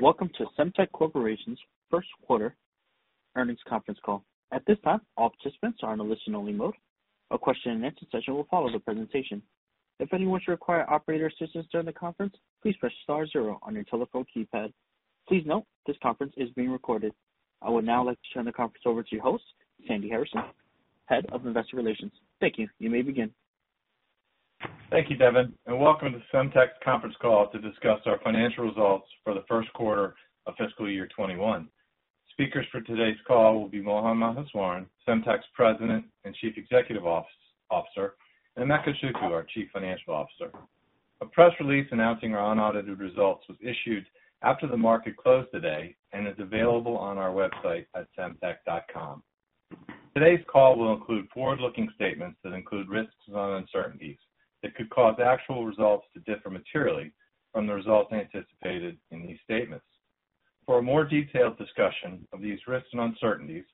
Welcome to Semtech Corporation's first quarter earnings conference call. At this time, all participants are in a listen-only mode. A question-and-answer session will follow the presentation. If anyone should require operator assistance during the conference, please press star zero on your telephone keypad. Please note this conference is being recorded. I would now like to turn the conference over to your host, Sandy Harrison, Head of Investor Relations. Thank you. You may begin. Thank you, Devin, and welcome to Semtech's conference call to discuss our financial results for the first quarter of fiscal year 2021. Speakers for today's call will be Mohan Maheswaran, Semtech's President and Chief Executive Officer, and Emeka Chukwu, our Chief Financial Officer. A press release announcing our unaudited results was issued after the market closed today and is available on our website at semtech.com. Today's call will include forward-looking statements that include risks and uncertainties that could cause actual results to differ materially from the results anticipated in these statements. For a more detailed discussion of these risks and uncertainties,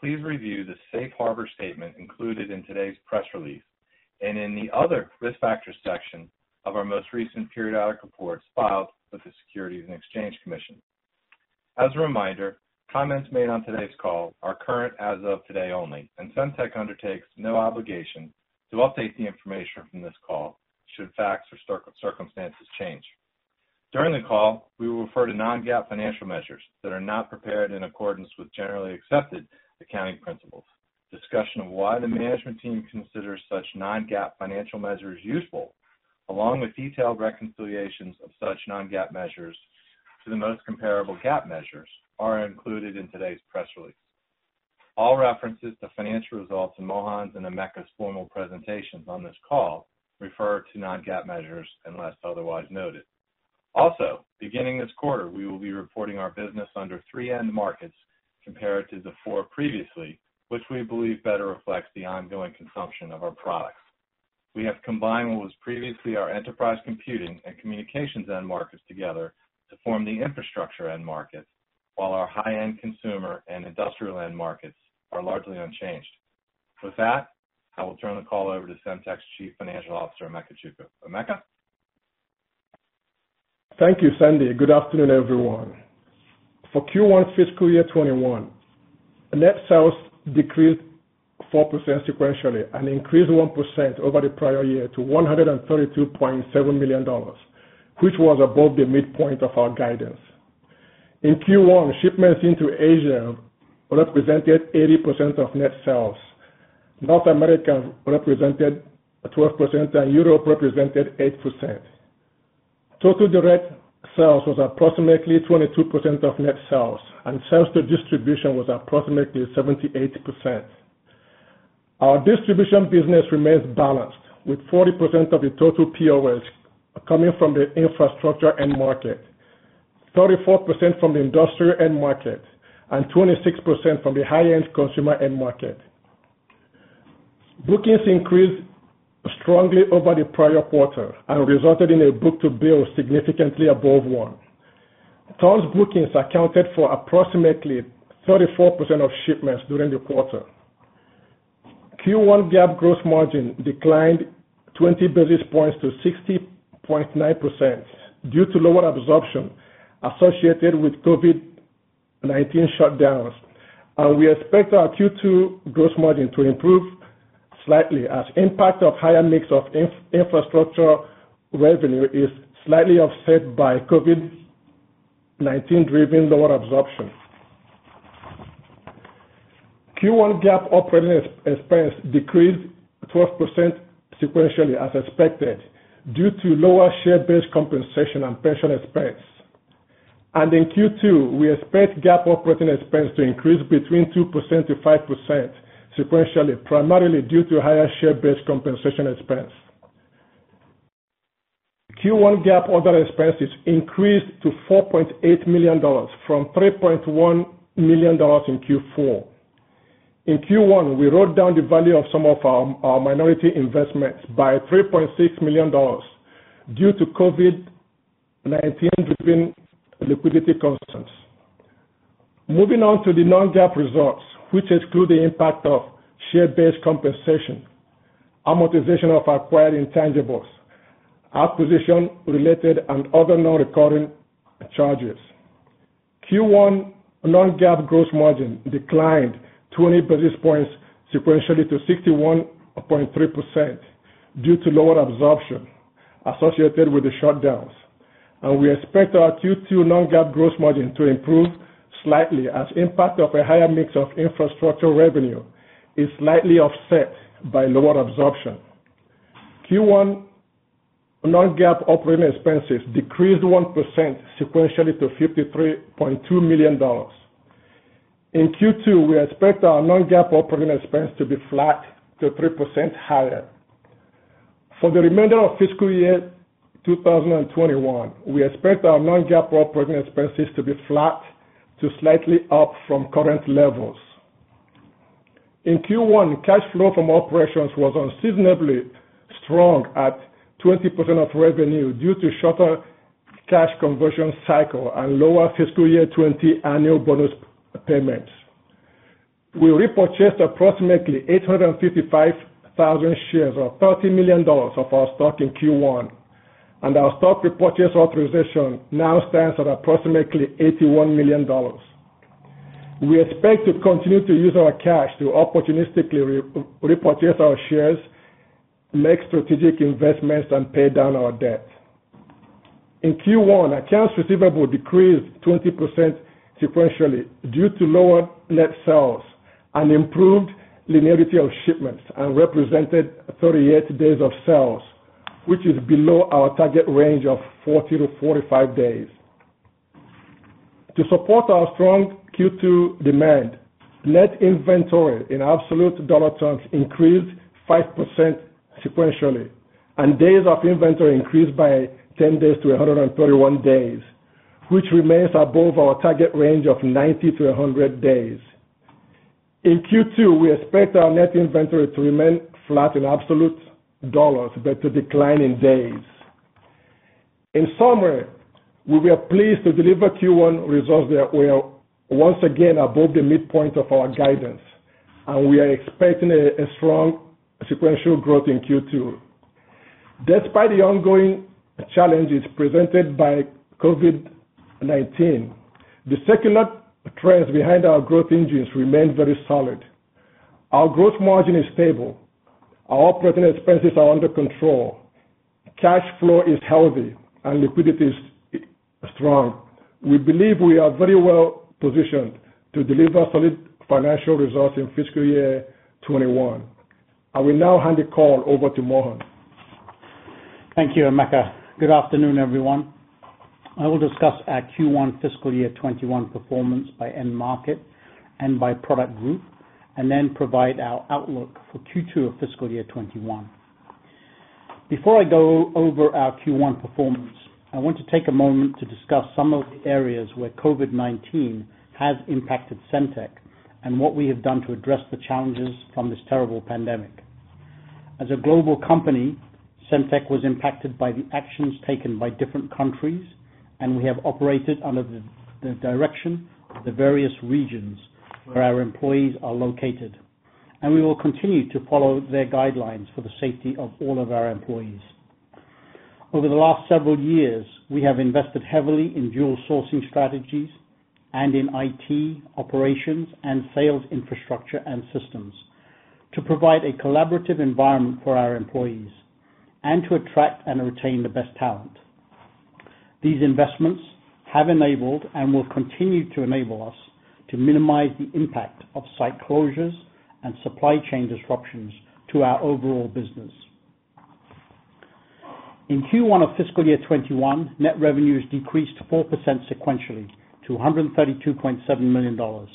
please review the safe harbor statement included in today's press release, and in the Other Risk Factors section of our most recent periodic reports filed with the Securities and Exchange Commission. As a reminder, comments made on today's call are current as of today only, and Semtech undertakes no obligation to update the information from this call should facts or circumstances change. During the call, we will refer to non-GAAP financial measures that are not prepared in accordance with generally accepted accounting principles. Discussion of why the management team considers such non-GAAP financial measures useful, along with detailed reconciliations of such non-GAAP measures to the most comparable GAAP measures, are included in today's press release. All references to financial results in Mohan's and Emeka's formal presentations on this call refer to non-GAAP measures unless otherwise noted. Also, beginning this quarter, we will be reporting our business under three end markets compared to the four previously, which we believe better reflects the ongoing consumption of our products. We have combined what was previously our enterprise computing and communications end markets together to form the infrastructure end markets, while our high-end consumer and industrial end markets are largely unchanged. With that, I will turn the call over to Semtech's Chief Financial Officer, Emeka Chukwu. Emeka? Thank you, Sandy. Good afternoon, everyone. For Q1 fiscal year 2021, net sales decreased 4% sequentially and increased 1% over the prior year to $132.7 million, which was above the midpoint of our guidance. In Q1, shipments into Asia represented 80% of net sales. North America represented 12%, and Europe represented 8%. Total direct sales was approximately 22% of net sales, and sales to distribution was approximately 78%. Our distribution business remains balanced, with 40% of the total POS coming from the infrastructure end market, 34% from the industrial end market, and 26% from the high-end consumer end market. Bookings increased strongly over the prior quarter and resulted in a book-to-bill significantly above one. Total bookings accounted for approximately 34% of shipments during the quarter. Q1 GAAP gross margin declined 20 basis points to 60.9% due to lower absorption associated with COVID-19 shutdowns. We expect our Q2 gross margin to improve slightly as impact of higher mix of infrastructure revenue is slightly offset by COVID-19-driven lower absorption. Q1 GAAP operating expense decreased 12% sequentially as expected, due to lower share-based compensation and pension expense. In Q2, we expect GAAP operating expense to increase between 2%-5% sequentially, primarily due to higher share-based compensation expense. Q1 GAAP other expenses increased to $4.8 million from $3.1 million in Q4. In Q1, we wrote down the value of some of our minority investments by $3.6 million due to COVID-19-driven liquidity concerns. Moving on to the non-GAAP results, which exclude the impact of share-based compensation, amortization of acquired intangibles, acquisition related and other non-recurring charges. Q1 non-GAAP gross margin declined 20 basis points sequentially to 61.3% due to lower absorption associated with the shutdowns. We expect our Q2 non-GAAP gross margin to improve slightly as impact of a higher mix of infrastructure revenue is slightly offset by lower absorption. Q1 non-GAAP operating expenses decreased 1% sequentially to $53.2 million. In Q2, we expect our non-GAAP operating expense to be flat to 3% higher. For the remainder of fiscal year 2021, we expect our non-GAAP operating expenses to be flat to slightly up from current levels. In Q1, cash flow from operations was unseasonably strong at 20% of revenue due to shorter cash conversion cycle and lower fiscal year 2020 annual bonus payments. We repurchased approximately 855,000 shares, or $30 million of our stock in Q1, and our stock repurchase authorization now stands at approximately $81 million. We expect to continue to use our cash to opportunistically repurchase our shares, make strategic investments, and pay down our debt. In Q1, accounts receivable decreased 20% sequentially due to lower net sales and improved linearity of shipments, and represented 38 days of sales, which is below our target range of 40-45 days. To support our strong Q2 demand, net inventory in absolute dollar terms increased 5% sequentially, and days of inventory increased by 10 days to 131 days, which remains above our target range of 90-100 days. In Q2, we expect our net inventory to remain flat in absolute dollars, but to decline in days. In summary, we are pleased to deliver Q1 results that were once again above the midpoint of our guidance, and we are expecting a strong sequential growth in Q2. Despite the ongoing challenges presented by COVID-19, the secular trends behind our growth engines remain very solid. Our gross margin is stable, our operating expenses are under control, cash flow is healthy, and liquidity is strong. We believe we are very well-positioned to deliver solid financial results in fiscal year 2021. I will now hand the call over to Mohan. Thank you, Emeka. Good afternoon, everyone. I will discuss our Q1 fiscal year 2021 performance by end market and by product group, and then provide our outlook for Q2 of fiscal year 2021. Before I go over our Q1 performance, I want to take a moment to discuss some of the areas where COVID-19 has impacted Semtech, and what we have done to address the challenges from this terrible pandemic. As a global company, Semtech was impacted by the actions taken by different countries, and we have operated under the direction of the various regions where our employees are located, and we will continue to follow their guidelines for the safety of all of our employees. Over the last several years, we have invested heavily in dual sourcing strategies and in IT, operations, and sales infrastructure and systems to provide a collaborative environment for our employees and to attract and retain the best talent. These investments have enabled and will continue to enable us to minimize the impact of site closures and supply chain disruptions to our overall business. In Q1 of fiscal year 2021, net revenues decreased 4% sequentially to $132.7 million.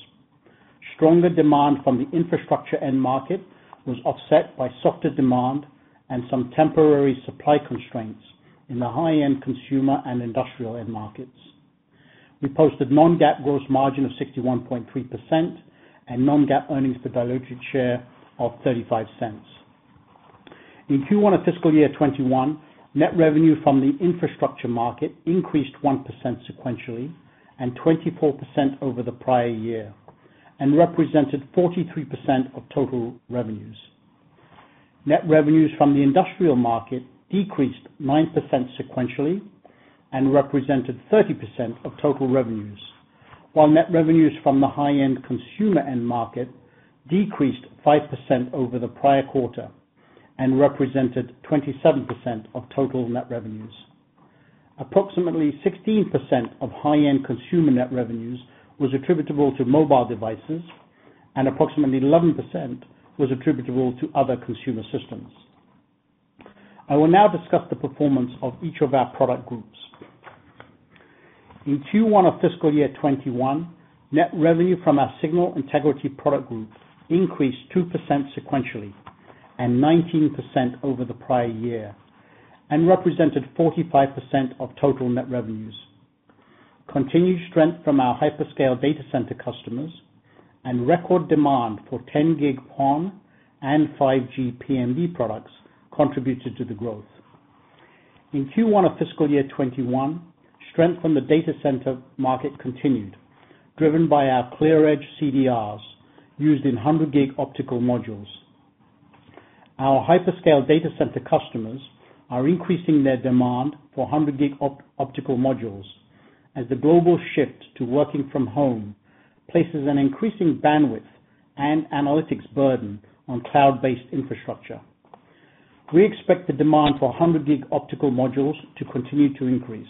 Stronger demand from the infrastructure end market was offset by softer demand and some temporary supply constraints in the high-end consumer and industrial end markets. We posted non-GAAP gross margin of 61.3% and non-GAAP earnings per diluted share of $0.35. In Q1 of fiscal year 2021, net revenue from the infrastructure market increased 1% sequentially and 24% over the prior year and represented 43% of total revenues. Net revenues from the industrial market decreased 9% sequentially and represented 30% of total revenues. While net revenues from the high-end consumer end market decreased 5% over the prior quarter and represented 27% of total net revenues. Approximately 16% of high-end consumer net revenues was attributable to mobile devices and approximately 11% was attributable to other consumer systems. I will now discuss the performance of each of our product groups. In Q1 of fiscal year 2021, net revenue from our signal integrity product group increased 2% sequentially and 19% over the prior year and represented 45% of total net revenues. Continued strength from our hyperscale data center customers and record demand for 10G PON and 5G PMD products contributed to the growth. In Q1 of fiscal year 2021, strength from the data center market continued, driven by our ClearEdge CDRs used in 100G optical modules. Our hyperscale data center customers are increasing their demand for 100G optical modules as the global shift to working from home places an increasing bandwidth and analytics burden on cloud-based infrastructure. We expect the demand for 100G optical modules to continue to increase.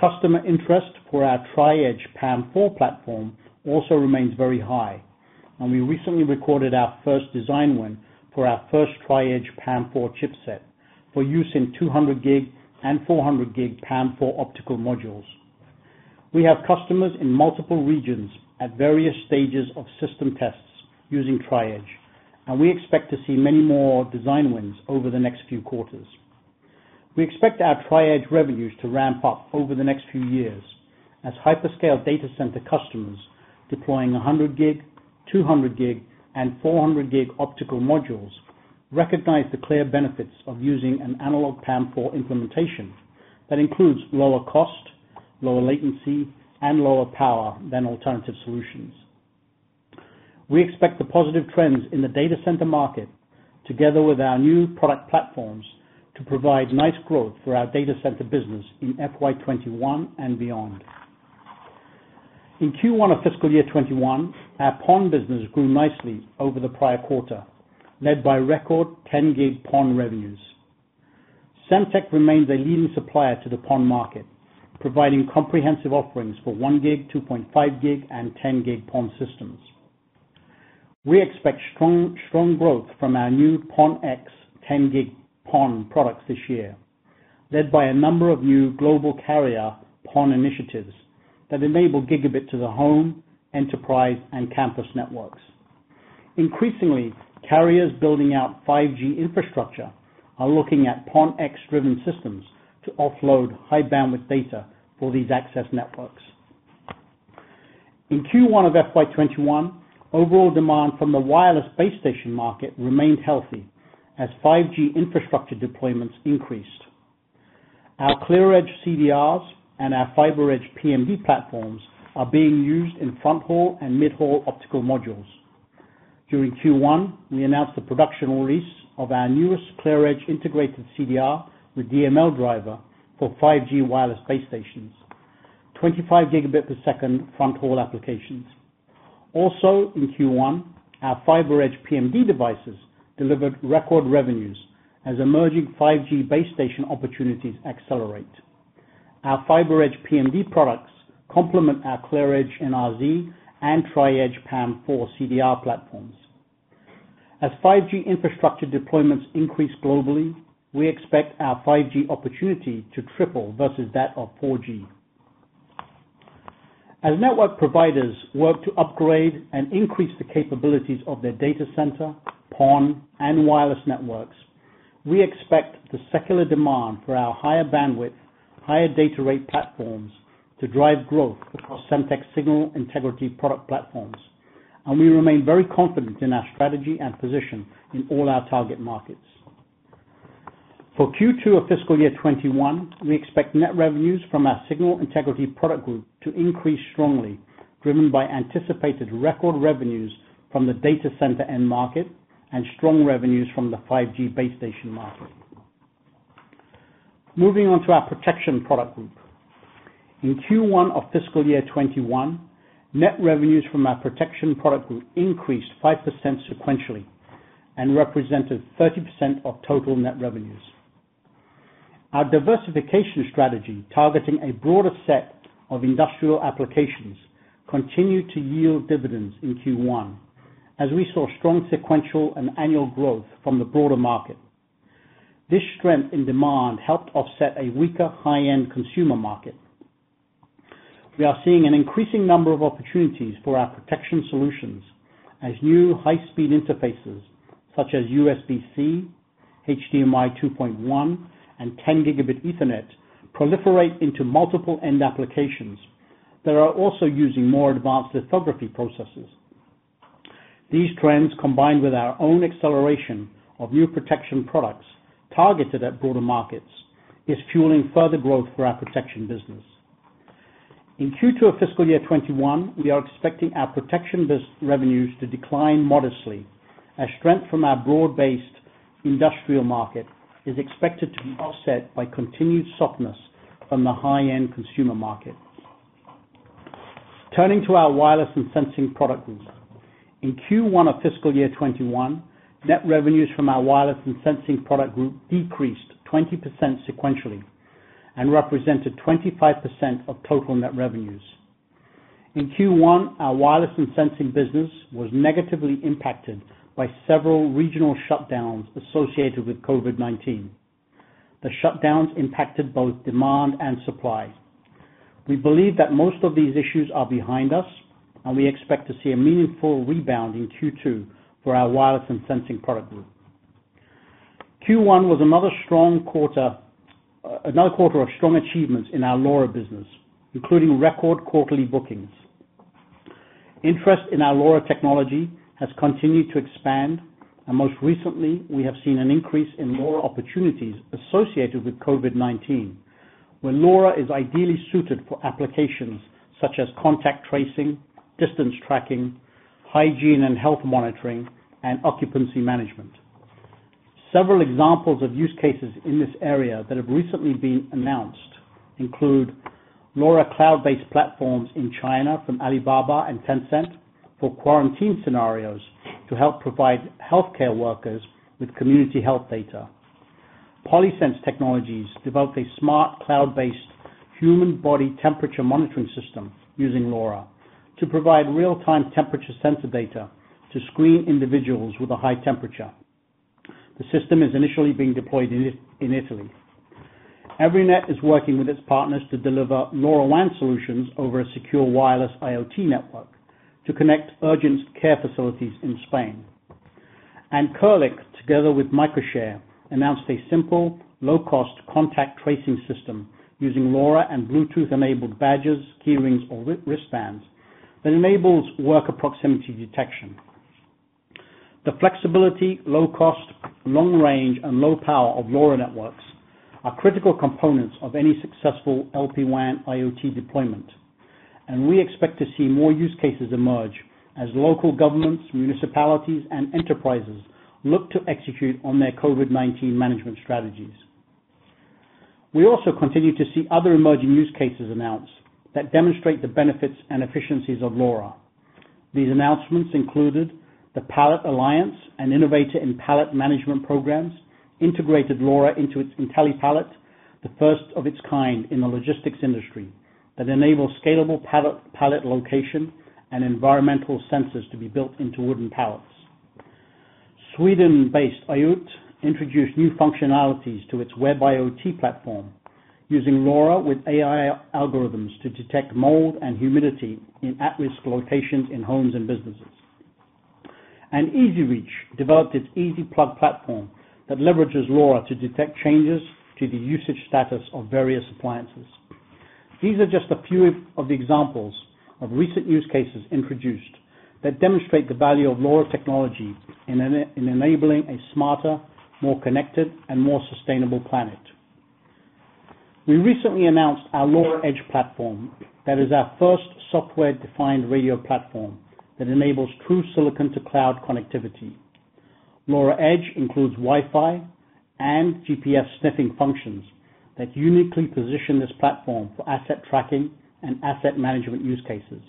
Customer interest for our Tri-Edge PAM4 platform also remains very high, and we recently recorded our first design win for our first Tri-Edge PAM4 chipset for use in 200G and 400G PAM4 optical modules. We have customers in multiple regions at various stages of system tests using Tri-Edge, and we expect to see many more design wins over the next few quarters. We expect our Tri-Edge revenues to ramp up over the next few years as hyperscale data center customers deploying 100 Gig, 200 Gig, and 400 Gig optical modules recognize the clear benefits of using an analog PAM4 implementation. That includes lower cost, lower latency, and lower power than alternative solutions. We expect the positive trends in the data center market together with our new product platforms to provide nice growth for our data center business in FY 2021 and beyond. In Q1 of fiscal year 2021, our PON business grew nicely over the prior quarter, led by record 10G PON revenues. Semtech remains a leading supplier to the PON market, providing comprehensive offerings for 1G, 2.5G, and 10G PON systems. We expect strong growth from our new PON-X 10G PON products this year, led by a number of new global carrier PON initiatives that enable gigabit to the home, enterprise, and campus networks. Increasingly, carriers building out 5G infrastructure are looking at PON-X-driven systems to offload high bandwidth data for these access networks. In Q1 of FY 2021, overall demand from the wireless base station market remained healthy as 5G infrastructure deployments increased. Our ClearEdge CDRs and our FiberEdge PMD platforms are being used in front-haul and mid-haul optical modules. During Q1, we announced the production release of our newest ClearEdge integrated CDR with DML driver for 5G wireless base stations, 25 gigabit per second front-haul applications. In Q1, our FiberEdge PMD devices delivered record revenues as emerging 5G base station opportunities accelerate. Our FiberEdge PMD products complement our ClearEdge NRZ and Tri-Edge PAM4 CDR platforms. As 5G infrastructure deployments increase globally, we expect our 5G opportunity to triple versus that of 4G. As network providers work to upgrade and increase the capabilities of their data center, PON, and wireless networks, we expect the secular demand for our higher bandwidth, higher data rate platforms to drive growth across Semtech Signal Integrity product platforms. We remain very confident in our strategy and position in all our target markets. For Q2 of fiscal year 2021, we expect net revenues from our Signal Integrity product group to increase strongly, driven by anticipated record revenues from the data center end market and strong revenues from the 5G base station market. Moving on to our Protection product group. In Q1 of fiscal year 2021, net revenues from our Protection product group increased 5% sequentially and represented 30% of total net revenues. Our diversification strategy, targeting a broader set of industrial applications, continued to yield dividends in Q1 as we saw strong sequential and annual growth from the broader market. This strength in demand helped offset a weaker high-end consumer market. We are seeing an increasing number of opportunities for our protection solutions as new high-speed interfaces such as USB-C, HDMI 2.1, and 10 GB Ethernet proliferate into multiple end applications that are also using more advanced lithography processes. These trends, combined with our own acceleration of new protection products targeted at broader markets, is fueling further growth for our protection business. In Q2 of fiscal year 2021, we are expecting our protection revenues to decline modestly as strength from our broad-based industrial market is expected to be offset by continued softness from the high-end consumer market. Turning to our wireless and sensing product group. In Q1 of fiscal year 2021, net revenues from our wireless and sensing product group decreased 20% sequentially and represented 25% of total net revenues. In Q1, our wireless and sensing business was negatively impacted by several regional shutdowns associated with COVID-19. The shutdowns impacted both demand and supply. We believe that most of these issues are behind us, and we expect to see a meaningful rebound in Q2 for our wireless and sensing product group. Q1 was another quarter of strong achievements in our LoRa business, including record quarterly bookings. Interest in our LoRa technology has continued to expand, and most recently, we have seen an increase in LoRa opportunities associated with COVID-19, where LoRa is ideally suited for applications such as contact tracing, distance tracking, hygiene and health monitoring, and occupancy management. Several examples of use cases in this area that have recently been announced include LoRa Cloud-based platforms in China from Alibaba and Tencent for quarantine scenarios to help provide healthcare workers with community health data. Polysense Technologies developed a smart cloud-based human body temperature monitoring system using LoRa to provide real-time temperature sensor data to screen individuals with a high temperature. The system is initially being deployed in Italy. Everynet is working with its partners to deliver LoRaWAN solutions over a secure wireless IoT network to connect urgent care facilities in Spain. Kerlink, together with Microshare, announced a simple, low-cost contact tracing system using LoRa and Bluetooth-enabled badges, key rings, or wristbands that enables worker proximity detection. The flexibility, low cost, long range, and low power of LoRa networks are critical components of any successful LPWAN IoT deployment, and we expect to see more use cases emerge as local governments, municipalities, and enterprises look to execute on their COVID-19 management strategies. We also continue to see other emerging use cases announced that demonstrate the benefits and efficiencies of LoRa. These announcements included the Pallet Alliance, an innovator in pallet management programs, integrated LoRa into its IntelliPallet, the first of its kind in the logistics industry, that enables scalable pallet location and environmental sensors to be built into wooden pallets. Sweden-based iiOOTE introduced new functionalities to its WebIoT platform using LoRa with AI algorithms to detect mold and humidity in at-risk locations in homes and businesses. EasyReach Solutions developed its EasyPlug platform that leverages LoRa to detect changes to the usage status of various appliances. These are just a few of the examples of recent use cases introduced that demonstrate the value of LoRa technology in enabling a smarter, more connected, and more sustainable planet. We recently announced our LoRa Edge platform. That is our first software-defined radio platform that enables true silicon-to-cloud connectivity. LoRa Edge includes Wi-Fi and GPS sniffing functions that uniquely position this platform for asset tracking and asset management use cases.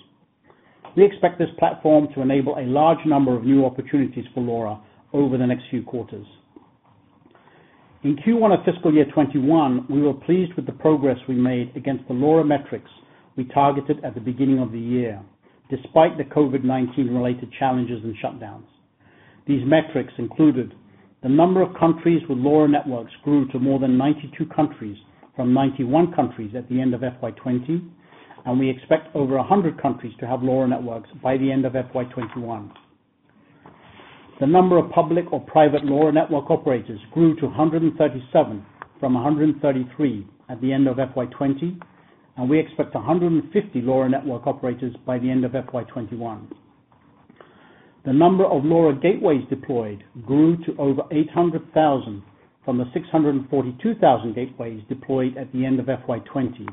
We expect this platform to enable a large number of new opportunities for LoRa over the next few quarters. In Q1 of fiscal year 2021, we were pleased with the progress we made against the LoRa metrics we targeted at the beginning of the year, despite the COVID-19-related challenges and shutdowns. These metrics included the number of countries with LoRa networks grew to more than 92 countries from 91 countries at the end of FY 2020, and we expect over 100 countries to have LoRa networks by the end of FY 2021. The number of public or private LoRa network operators grew to 137 from 133 at the end of FY 2020, and we expect 150 LoRa network operators by the end of FY 2021. The number of LoRa gateways deployed grew to over 800,000 from the 642,000 gateways deployed at the end of FY 2020,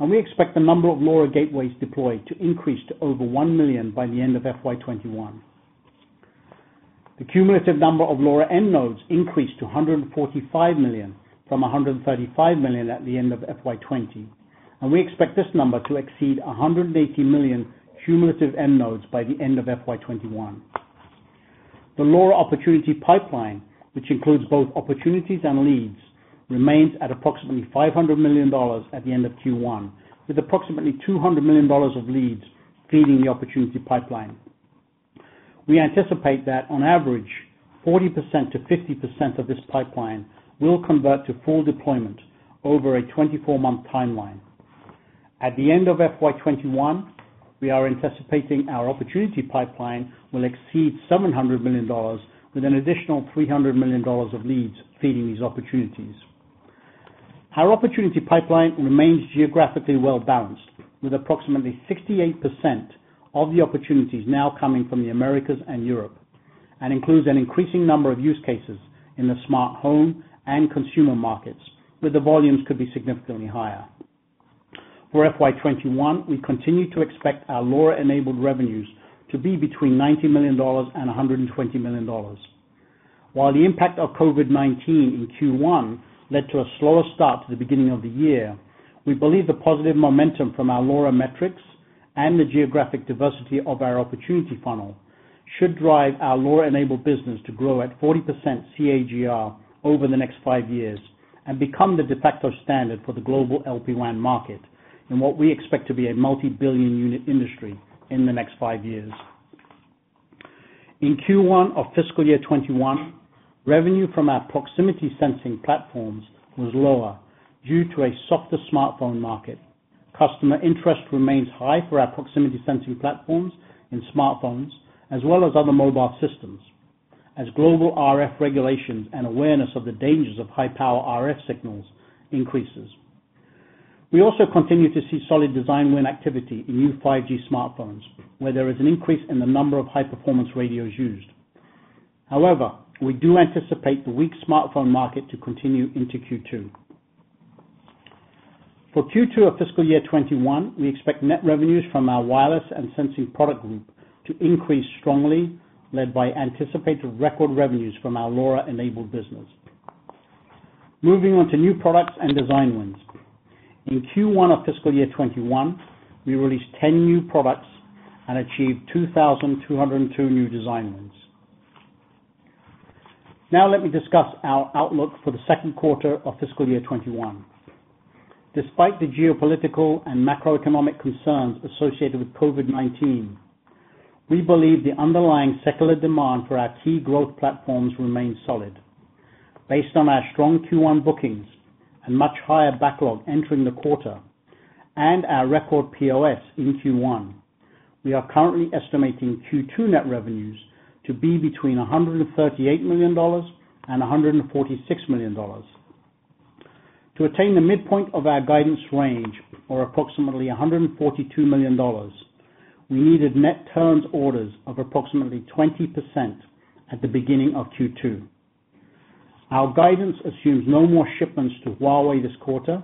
and we expect the number of LoRa gateways deployed to increase to over one million by the end of FY 2021. The cumulative number of LoRa end nodes increased to 145 million from 135 million at the end of FY 2020, and we expect this number to exceed 180 million cumulative end nodes by the end of FY 2021. The LoRa opportunity pipeline, which includes both opportunities and leads, remains at approximately $500 million at the end of Q1, with approximately $200 million of leads feeding the opportunity pipeline. We anticipate that on average, 40%-50% of this pipeline will convert to full deployment over a 24-month timeline. At the end of FY 2021, we are anticipating our opportunity pipeline will exceed $700 million with an additional $300 million of leads feeding these opportunities. Our opportunity pipeline remains geographically well-balanced with approximately 68% of the opportunities now coming from the Americas and Europe and includes an increasing number of use cases in the smart home and consumer markets, where the volumes could be significantly higher. For FY 2021, we continue to expect our LoRa-enabled revenues to be between $90 million and $120 million. While the impact of COVID-19 in Q1 led to a slower start to the beginning of the year, we believe the positive momentum from our LoRa metrics and the geographic diversity of our opportunity funnel should drive our LoRa-enabled business to grow at 40% CAGR over the next five years and become the de facto standard for the global LPWAN market in what we expect to be a multi-billion-unit industry in the next five years. In Q1 of fiscal year 2021, revenue from our proximity sensing platforms was lower due to a softer smartphone market. Customer interest remains high for our proximity sensing platforms in smartphones as well as other mobile systems as global RF regulations and awareness of the dangers of high-power RF signals increases. We also continue to see solid design win activity in new 5G smartphones, where there is an increase in the number of high-performance radios used. We do anticipate the weak smartphone market to continue into Q2. For Q2 of fiscal year 2021, we expect net revenues from our wireless and sensing product group to increase strongly, led by anticipated record revenues from our LoRa-enabled business. Moving on to new products and design wins. In Q1 of fiscal year 2021, we released 10 new products and achieved 2,202 new design wins. Let me discuss our outlook for the second quarter of fiscal year 2021. Despite the geopolitical and macroeconomic concerns associated with COVID-19, we believe the underlying secular demand for our key growth platforms remains solid. Based on our strong Q1 bookings and much higher backlog entering the quarter and our record POS in Q1, we are currently estimating Q2 net revenues to be between $138 million and $146 million. To attain the midpoint of our guidance range, or approximately $142 million, we needed net turns orders of approximately 20% at the beginning of Q2. Our guidance assumes no more shipments to Huawei this quarter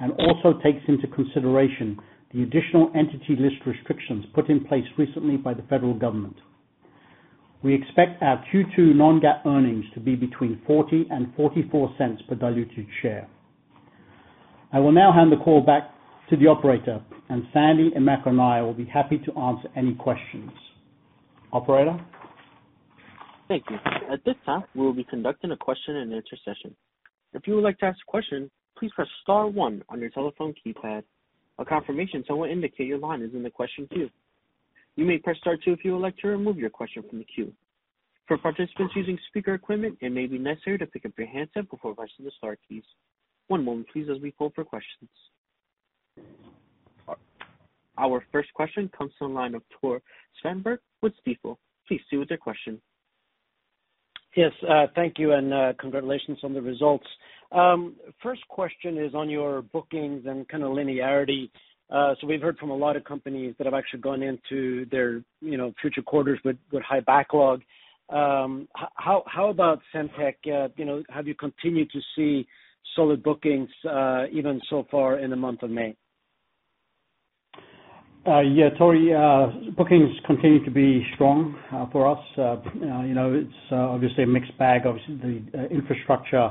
and also takes into consideration the additional Entity List restrictions put in place recently by the federal government. We expect our Q2 non-GAAP earnings to be between $0.40 and $0.44 per diluted share. I will now hand the call back to the operator, and Sandy, Emeka, and I will be happy to answer any questions. Operator? Thank you. At this time, we will be conducting a question and answer session. If you would like to ask a question, please press star one on your telephone keypad. A confirmation tone will indicate your line is in the question queue. You may press star two if you would like to remove your question from the queue. For participants using speaker equipment, it may be necessary to pick up your handset before pressing the star keys. One moment please as we call for questions. Our first question comes from the line of Tore Svanberg with Stifel. Please see what's your question. Yes. Thank you, congratulations on the results. First question is on your bookings and kind of linearity. We've heard from a lot of companies that have actually gone into their future quarters with high backlog. How about Semtech? Have you continued to see solid bookings, even so far in the month of May? Yeah, Tore, bookings continue to be strong for us. It's obviously a mixed bag. Obviously, the infrastructure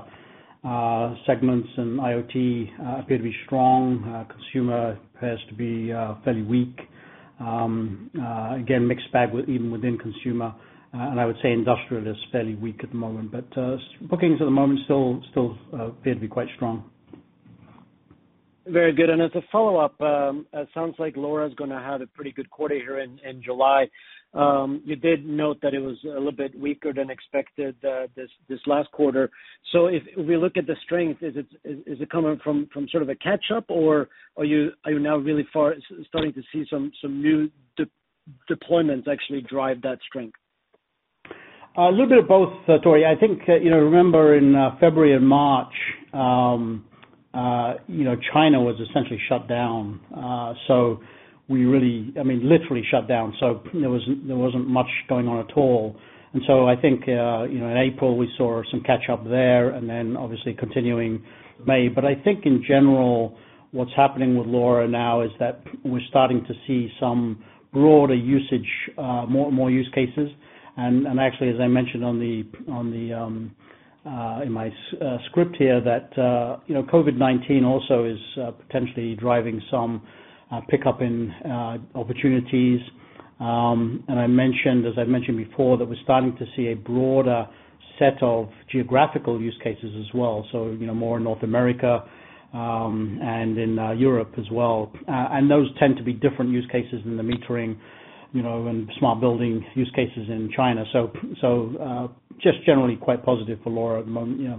segments and IoT appear to be strong. Consumer appears to be fairly weak. Again, mixed bag even within consumer. I would say industrial is fairly weak at the moment. Bookings at the moment still appear to be quite strong. Very good. As a follow-up, it sounds like LoRa's going to have a pretty good quarter here in July. You did note that it was a little bit weaker than expected this last quarter. If we look at the strength, is it coming from sort of a catch-up, or are you now really far, starting to see some new deployments actually drive that strength? A little bit of both, Tore. I think, remember in February and March, China was essentially shut down. I mean, literally shut down. There wasn't much going on at all. I think, in April, we saw some catch-up there, and then obviously continuing May. I think in general, what's happening with LoRa now is that we're starting to see some broader usage, more and more use cases. Actually, as I mentioned in my script here, that COVID-19 also is potentially driving some pickup in opportunities. As I mentioned before, that we're starting to see a broader set of geographical use cases as well. More in North America, and in Europe as well. Those tend to be different use cases in the metering and smart building use cases in China. Just generally quite positive for LoRa at the moment, yeah.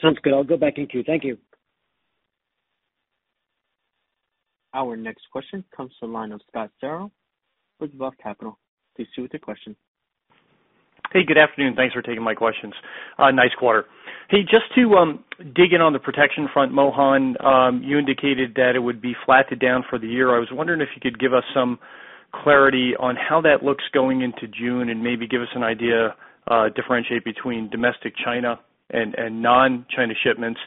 Sounds good. I'll go back in queue. Thank you. Our next question comes from the line of Scott Searle with Roth Capital. Please see what's your question. Good afternoon, thanks for taking my questions. Nice quarter. Hey, just to dig in on the protection front, Mohan, you indicated that it would be flat to down for the year. I was wondering if you could give us some clarity on how that looks going into June and maybe give us an idea, differentiate between domestic China and non-China shipments.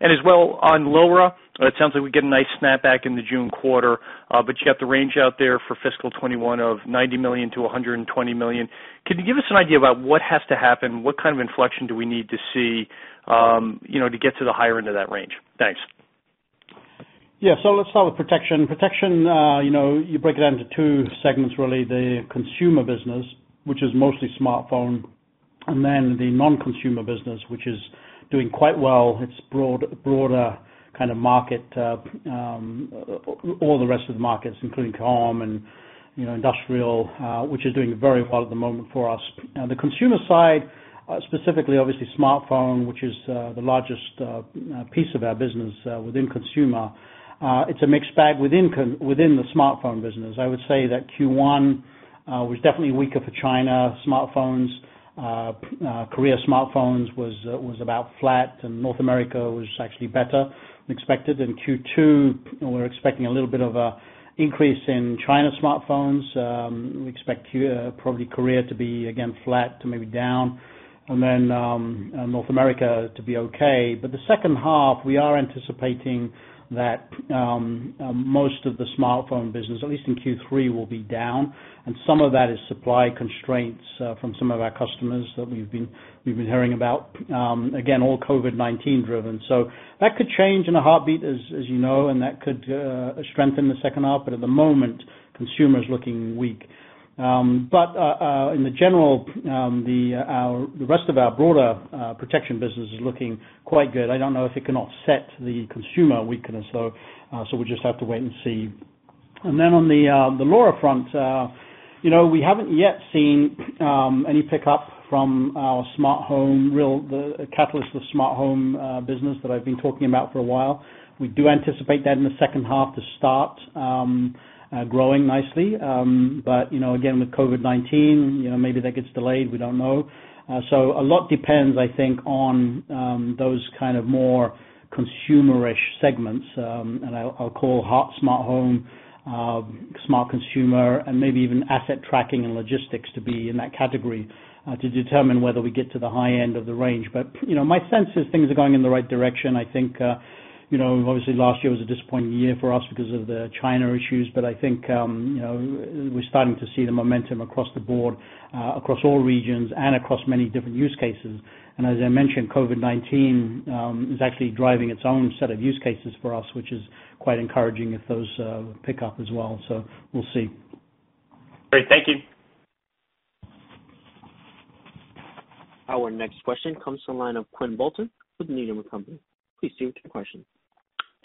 As well, on LoRa, it sounds like we get a nice snapback in the June quarter, but you have the range out there for fiscal 2021 of $90 million-$120 million. Can you give us an idea about what has to happen? What kind of inflection do we need to see to get to the higher end of that range? Thanks. Let's start with protection. Protection, you break it down into two segments, really. The consumer business, which is mostly smartphone, the non-consumer business, which is doing quite well. It's broader kind of market, all the rest of the markets, including comm and industrial, which is doing very well at the moment for us. The consumer side, specifically obviously smartphone, which is the largest piece of our business within consumer, it's a mixed bag within the smartphone business. I would say that Q1 was definitely weaker for China smartphones. Korea smartphones was about flat, North America was actually better than expected. In Q2, we're expecting a little bit of a increase in China smartphones. We expect probably Korea to be again flat to maybe down, North America to be okay. The second half, we are anticipating that most of the smartphone business, at least in Q3, will be down, and some of that is supply constraints from some of our customers that we've been hearing about. Again, all COVID-19 driven. That could change in a heartbeat, as you know, and that could strengthen the second half, at the moment, consumer is looking weak. In the general, the rest of our broader protection business is looking quite good. I don't know if it can offset the consumer weakness, though, so we'll just have to wait and see. On the LoRa front, we haven't yet seen any pickup from our smart home, real catalyst of smart home business that I've been talking about for a while. We do anticipate that in the second half to start growing nicely. Again, with COVID-19, maybe that gets delayed. We don't know. A lot depends, I think, on those kind of more consumerish segments. I'll call smart home, smart consumer, and maybe even asset tracking and logistics to be in that category to determine whether we get to the high end of the range. My sense is things are going in the right direction. I think, obviously last year was a disappointing year for us because of the China issues, but I think we're starting to see the momentum across the board, across all regions and across many different use cases. As I mentioned, COVID-19 is actually driving its own set of use cases for us, which is quite encouraging if those pick up as well. We'll see. Great. Thank you. Our next question comes to the line of Quinn Bolton with Needham & Company. Please cue to question.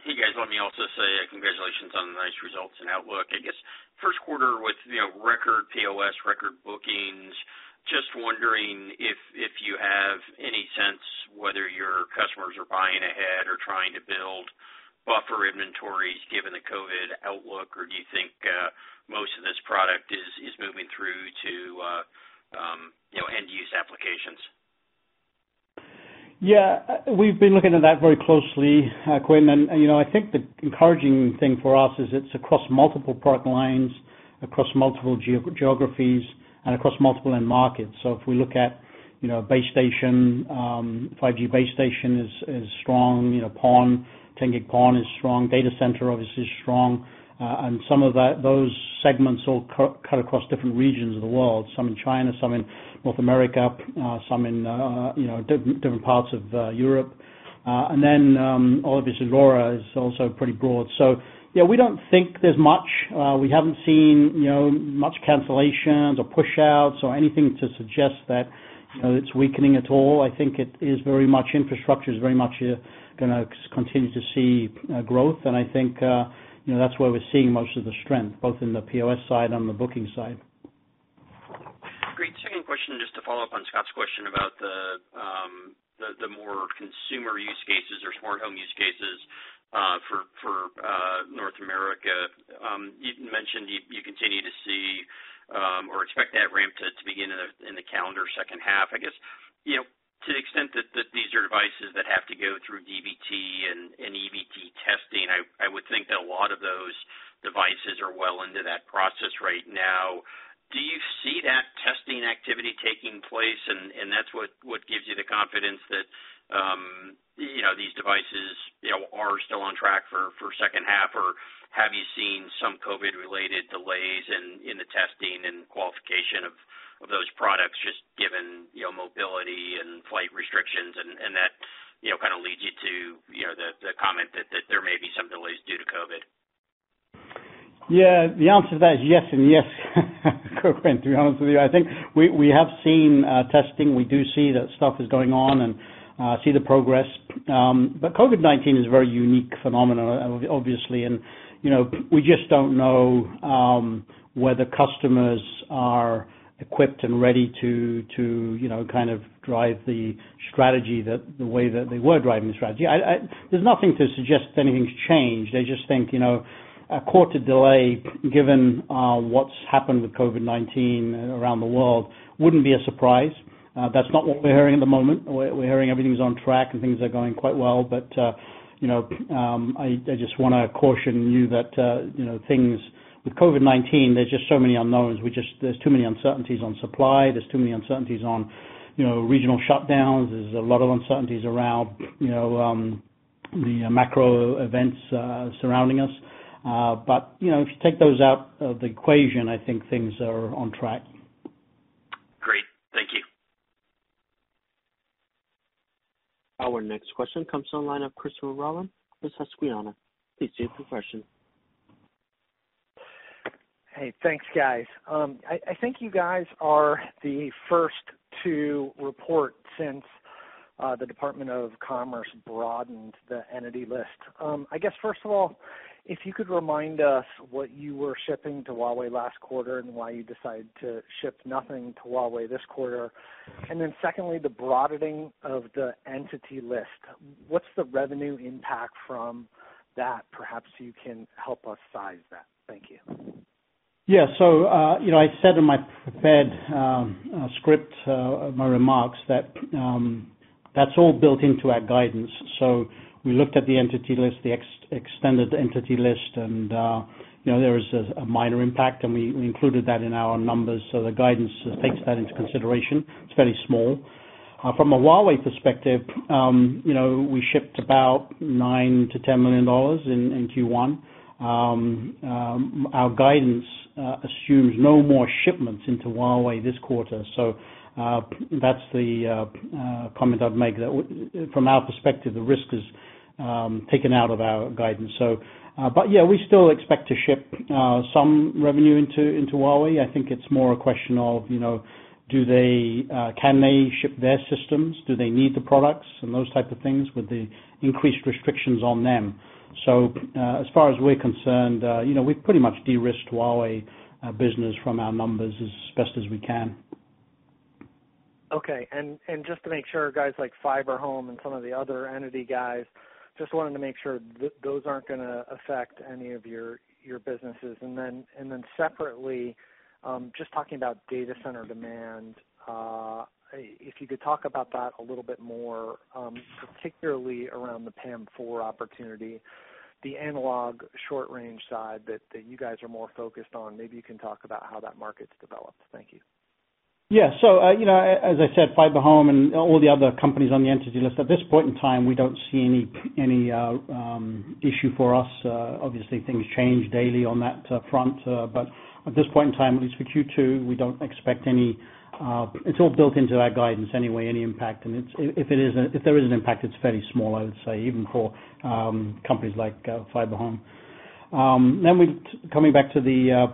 Hey, guys. Let me also say congratulations on the nice results and outlook. I guess, first quarter with record POS, record bookings, just wondering if you have any sense whether your customers are buying ahead or trying to build buffer inventories given the COVID outlook, or do you think most of this product is moving through to end use applications? We've been looking at that very closely, Quinn, and I think the encouraging thing for us is it's across multiple product lines, across multiple geographies and across multiple end markets. If we look at base station, 5G base station is strong. PON, 10G PON is strong. Data center obviously is strong. Some of those segments all cut across different regions of the world, some in China, some in North America, some in different parts of Europe. Obviously LoRa is also pretty broad. We don't think there's much. We haven't seen much cancellations or push-outs or anything to suggest that it's weakening at all. I think infrastructure is very much going to continue to see growth, and I think that's where we're seeing most of the strength, both in the POS side and the booking side. Great. Second question, just to follow up on Scott's question about the more consumer use cases or smart home use cases for North America. You mentioned you continue to see or expect that ramp to begin in the calendar second half. I guess, to the extent that these are devices that have to go through DVT and EVT testing, I would think that a lot of those devices are well into that process right now. Do you see that testing activity taking place and that's what gives you the confidence that these devices are still on track for second half? Or have you seen some COVID-related delays in the testing and qualification of those products, just given mobility and flight restrictions and that kind of leads you to the comment that there may be some delays due to COVID? Yeah. The answer to that is yes and yes, Quinn, to be honest with you. I think we have seen testing. We do see that stuff is going on and see the progress. COVID-19 is a very unique phenomenon, obviously, and we just don't know whether customers are equipped and ready to kind of drive the strategy the way that they were driving the strategy. There's nothing to suggest anything's changed. I just think a quarter delay, given what's happened with COVID-19 around the world, wouldn't be a surprise. That's not what we're hearing at the moment. We're hearing everything's on track and things are going quite well. I just want to caution you that with COVID-19, there's just so many unknowns. There's too many uncertainties on supply. There's too many uncertainties on regional shutdowns. There's a lot of uncertainties around the macro events surrounding us. If you take those out of the equation, I think things are on track. Great. Thank you. Our next question comes to the line of Christopher Rolland with Susquehanna. Please cue for question. Hey, thanks, guys. I think you guys are the first to report since the Department of Commerce broadened the Entity List. I guess first of all, if you could remind us what you were shipping to Huawei last quarter and why you decided to ship nothing to Huawei this quarter. Then secondly, the broadening of the Entity List, what's the revenue impact from that? Perhaps you can help us size that. Thank you. Yeah. I said in my prepared script, my remarks, that that's all built into our guidance. We looked at the Entity List, the extended Entity List, and there is a minor impact, and we included that in our numbers. The guidance takes that into consideration. It's fairly small. From a Huawei perspective, we shipped about $9 million-$10 million in Q1. Our guidance assumes no more shipments into Huawei this quarter. That's the comment I'd make. From our perspective, the risk is taken out of our guidance. Yeah, we still expect to ship some revenue into Huawei. I think it's more a question of can they ship their systems? Do they need the products and those type of things with the increased restrictions on them? As far as we're concerned, we've pretty much de-risked Huawei business from our numbers as best as we can. Okay. Just to make sure, guys like FiberHome and some of the other entity guys, just wanted to make sure those aren't going to affect any of your businesses. Separately, just talking about data center demand, if you could talk about that a little bit more, particularly around the PAM4 opportunity, the analog short range side that you guys are more focused on. Maybe you can talk about how that market's developed. Thank you. As I said, FiberHome and all the other companies on the Entity List, at this point in time, we don't see any issue for us. Obviously, things change daily on that front. At this point in time, at least for Q2, we don't expect any impact. It's all built into our guidance anyway. If there is an impact, it's fairly small, I would say, even for companies like FiberHome. Coming back to the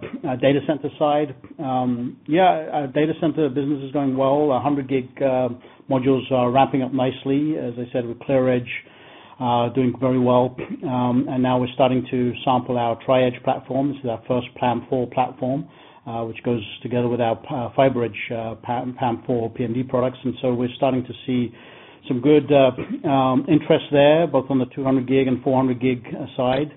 data center side. Data center business is going well. Our 100G modules are ramping up nicely. As I said, with ClearEdge doing very well. Now we're starting to sample our Tri-Edge platform. This is our first PAM4 platform, which goes together with our FiberEdge PAM4 PMD products. We're starting to see some good interest there, both on the 200G and 400G side.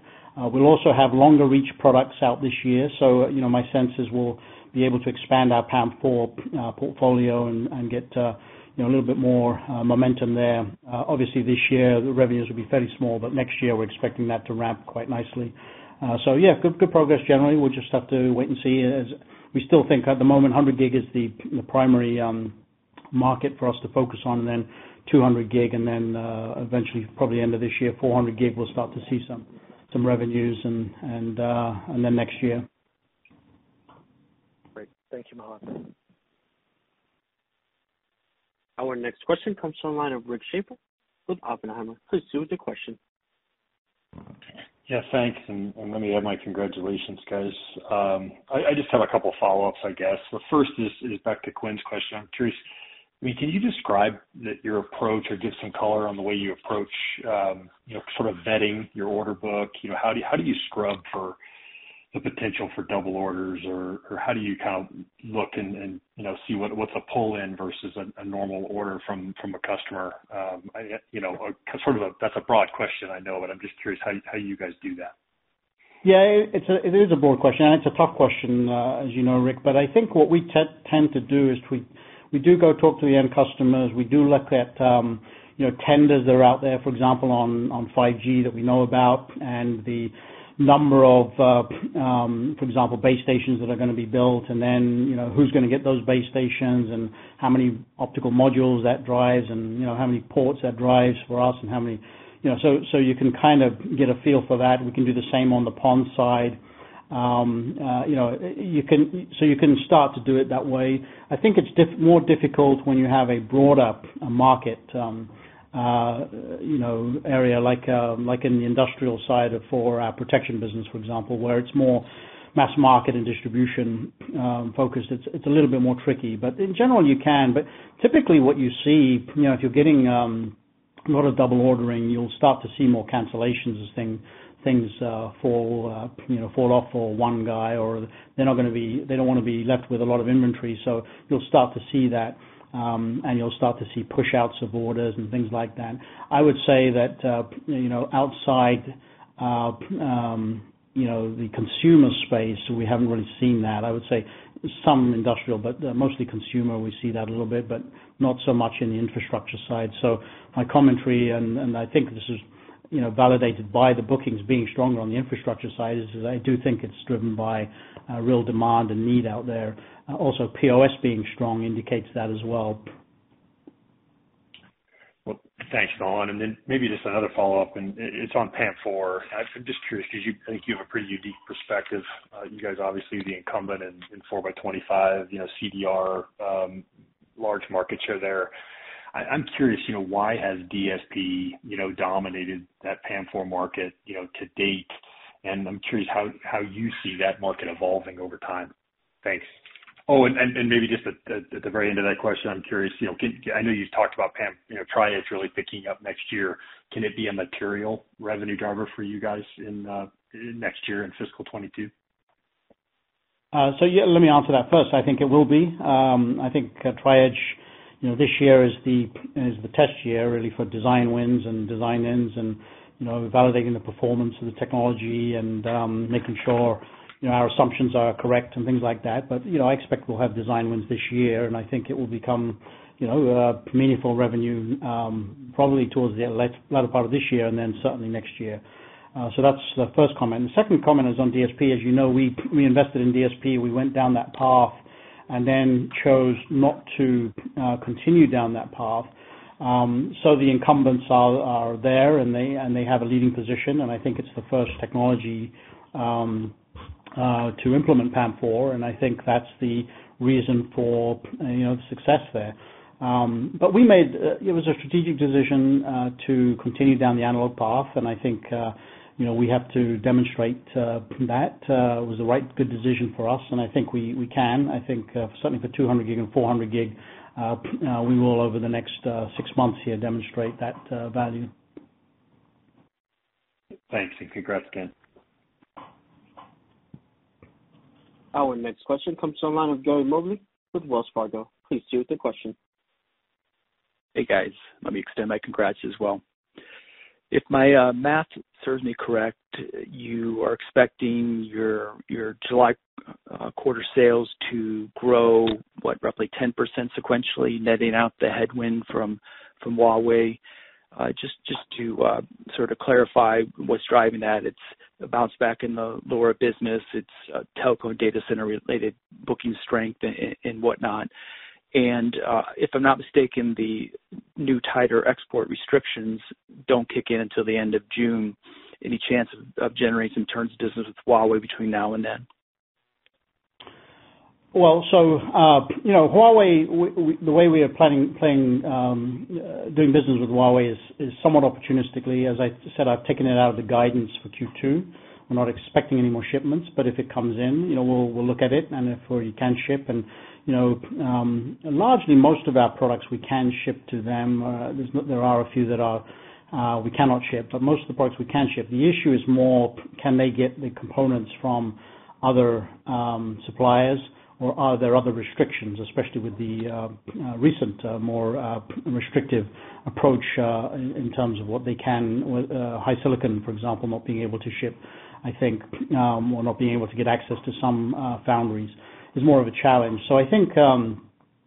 We'll also have longer reach products out this year. My sense is we'll be able to expand our PAM4 portfolio and get a little bit more momentum there. Obviously this year the revenues will be fairly small, but next year we're expecting that to ramp quite nicely. Yeah, good progress generally. We'll just have to wait and see as we still think at the moment, 100G is the primary market for us to focus on. 200G and then eventually, probably end of this year, 400G, we'll start to see some revenues and then next year. Great. Thank you, Mohan. Our next question comes from the line of Rick Schafer with Oppenheimer. Please proceed with your question. Yeah, thanks. Let me add my congratulations, guys. I just have a couple of follow-ups I guess. The first is back to Quinn's question. I'm curious, can you describe that your approach or give some color on the way you approach vetting your order book? How do you scrub for the potential for double orders? How do you look and see what's a pull-in versus a normal order from a customer? That's a broad question, I know. I'm just curious how you guys do that. Yeah, it is a broad question, and it's a tough question, as you know, Rick. I think what we tend to do is we do go talk to the end customers. We do look at tenders that are out there, for example, on 5G that we know about, and the number of, for example, base stations that are going to be built, and then who's going to get those base stations and how many optical modules that drives and how many ports that drives for us. You can kind of get a feel for that. We can do the same on the PON side. You can start to do it that way. I think it's more difficult when you have a broader market area like in the industrial side for our protection business, for example, where it's more mass market and distribution focused. It's a little bit more tricky, but in general you can. Typically what you see, if you're getting a lot of double ordering, you'll start to see more cancellations as things fall off for one guy, or they don't want to be left with a lot of inventory. You'll start to see that, and you'll start to see push outs of orders and things like that. I would say that outside the consumer space, we haven't really seen that. I would say some industrial, but mostly consumer, we see that a little bit, but not so much in the infrastructure side. My commentary, and I think this is validated by the bookings being stronger on the infrastructure side, is I do think it's driven by real demand and need out there. Also, POS being strong indicates that as well. Well, thanks, Mohan. Maybe just another follow-up, and it's on PAM4. I'm just curious because you think you have a pretty unique perspective. You guys obviously the incumbent in 4x25 CDR, large market share there. I'm curious, why has DSP dominated that PAM4 market to date? I'm curious how you see that market evolving over time. Thanks. Maybe just at the very end of that question, I'm curious, I know you talked about Tri-Edge really picking up next year. Can it be a material revenue driver for you guys next year in fiscal 2022? Let me answer that first. I think it will be. I think Tri-Edge this year is the test year, really, for design wins and design-ins and validating the performance of the technology and making sure our assumptions are correct and things like that. I expect we'll have design wins this year, and I think it will become meaningful revenue probably towards the latter part of this year and then certainly next year. That's the first comment. The second comment is on DSP. As you know, we invested in DSP. We went down that path and then chose not to continue down that path. The incumbents are there, and they have a leading position, and I think it's the first technology to implement PAM4, and I think that's the reason for the success there. It was a strategic decision to continue down the analog path, and I think we have to demonstrate that it was the right, good decision for us, and I think we can. I think certainly for 200G and 400G, we will over the next six months here demonstrate that value. Thanks, congrats again. Our next question comes from the line of Gary Mobley with Wells Fargo. Please proceed with your question. Hey, guys. Let me extend my congrats as well. If my math serves me correct, you are expecting your July quarter sales to grow, what, roughly 10% sequentially, netting out the headwind from Huawei. Just to sort of clarify what's driving that, it's a bounce back in the LoRa business, it's telco and data center related booking strength and whatnot. If I'm not mistaken, the new tighter export restrictions don't kick in until the end of June. Any chance of generating turns business with Huawei between now and then? Huawei, the way we are planning doing business with Huawei is somewhat opportunistically. As I said, I've taken it out of the guidance for Q2. We're not expecting any more shipments, but if it comes in, we'll look at it and if we can ship. Largely most of our products we can ship to them. There are a few that we cannot ship, but most of the products we can ship. The issue is more, can they get the components from other suppliers, or are there other restrictions, especially with the recent, more restrictive approach, in terms of what they can HiSilicon, for example, not being able to ship, I think, or not being able to get access to some foundries is more of a challenge. I think,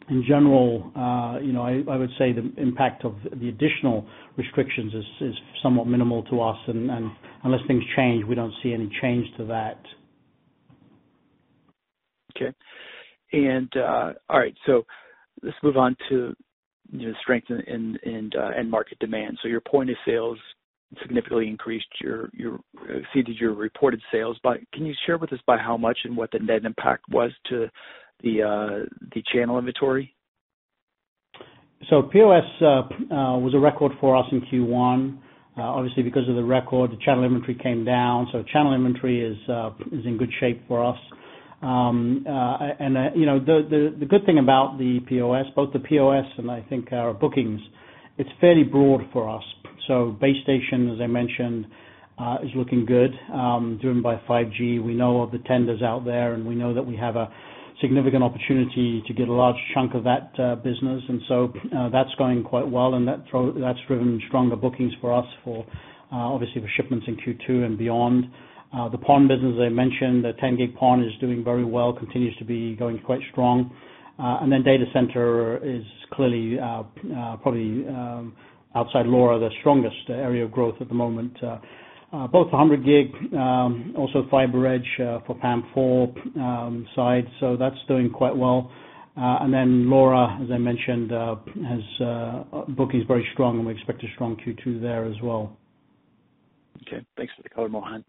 in general, I would say the impact of the additional restrictions is somewhat minimal to us. Unless things change, we don't see any change to that. Okay. All right. Let's move on to strength and market demand. Your point of sales significantly exceeded your reported sales. Can you share with us by how much and what the net impact was to the channel inventory? POS was a record for us in Q1. Obviously, because of the record, the channel inventory came down. Channel inventory is in good shape for us. The good thing about the POS, both the POS and I think our bookings, it's fairly broad for us. Base station, as I mentioned, is looking good, driven by 5G. We know of the tenders out there, and we know that we have a significant opportunity to get a large chunk of that business. That's going quite well, and that's driven stronger bookings for us for, obviously, for shipments in Q2 and beyond. The PON business, as I mentioned, the 10G PON is doing very well, continues to be going quite strong. Data center is clearly, probably, outside LoRa, the strongest area of growth at the moment. Both 100G, also FiberEdge for PAM4 side, that's doing quite well. LoRa, as I mentioned, booking is very strong, and we expect a strong Q2 there as well. Okay. Thanks for the color, Mohan.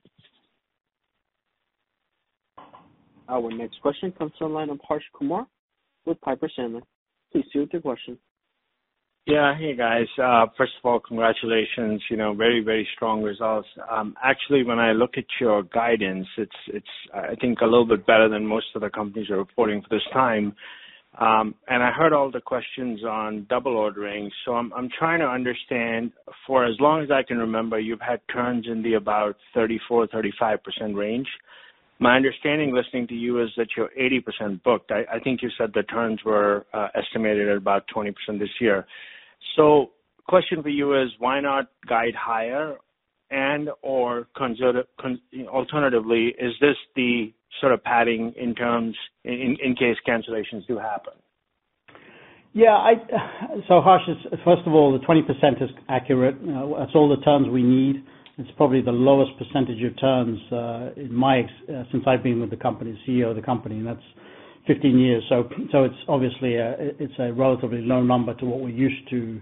Our next question comes from the line of Harsh Kumar with Piper Sandler. Please proceed with your question. Hey, guys. First of all, congratulations. Very, very strong results. Actually, when I look at your guidance, it's, I think, a little bit better than most of the companies are reporting for this time. I heard all the questions on double ordering. I'm trying to understand, for as long as I can remember, you've had turns in the about 34%-35% range. My understanding, listening to you, is that you're 80% booked. I think you said the turns were estimated at about 20% this year. Question for you is, why not guide higher and/or alternatively, is this the sort of padding in terms, in case cancellations do happen? Yeah. Harsh, first of all, the 20% is accurate. That's all the turns we need. It's probably the lowest percentage of turns since I've been with the company, CEO of the company, and that's 15 years. It's obviously a relatively low number to what we're used to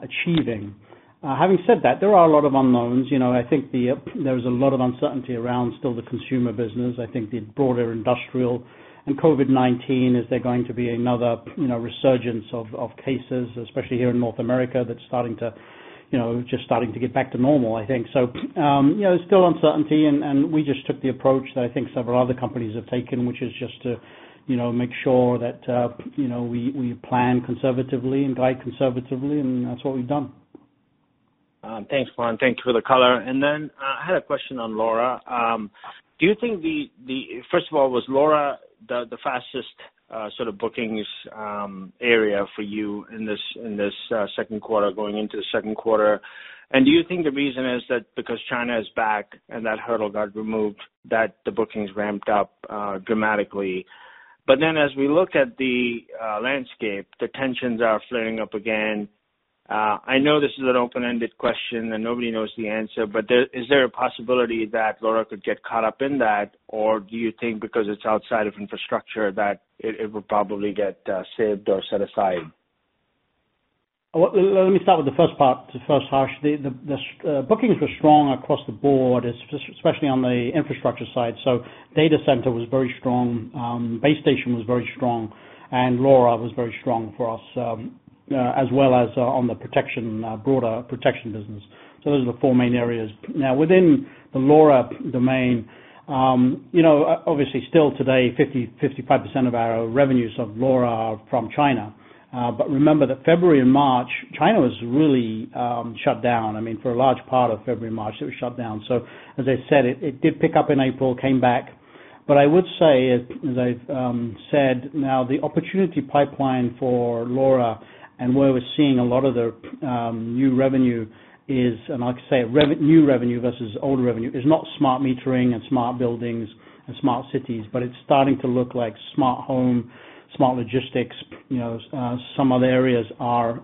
achieving. Having said that, there are a lot of unknowns. I think there is a lot of uncertainty around still the consumer business. I think the broader industrial and COVID-19, is there going to be another resurgence of cases, especially here in North America, that's just starting to get back to normal, I think. There's still uncertainty, and we just took the approach that I think several other companies have taken, which is just to make sure that we plan conservatively and guide conservatively, and that's what we've done. Thanks, Mohan. Thank you for the color. I had a question on LoRa. First of all, was LoRa the fastest sort of bookings area for you in this second quarter, going into the second quarter? Do you think the reason is that because China is back and that hurdle got removed, that the bookings ramped up dramatically? As we look at the landscape, the tensions are flaring up again. I know this is an open-ended question and nobody knows the answer, but is there a possibility that LoRa could get caught up in that, or do you think because it's outside of infrastructure, that it would probably get saved or set aside? Let me start with the first part first, Harsh. The bookings were strong across the board, especially on the infrastructure side. Data center was very strong, base station was very strong, and LoRa was very strong for us, as well as on the broader protection business. Those are the four main areas. Within the LoRa domain, obviously still today, 50%, 55% of our revenues of LoRa are from China. Remember that February and March, China was really shut down. For a large part of February and March, it was shut down. As I said, it did pick up in April, came back. I would say, as I've said, now the opportunity pipeline for LoRa and where we're seeing a lot of the new revenue is, and I'd say new revenue versus old revenue, is not smart metering and smart buildings and smart cities, but it's starting to look like smart home, smart logistics, some other areas are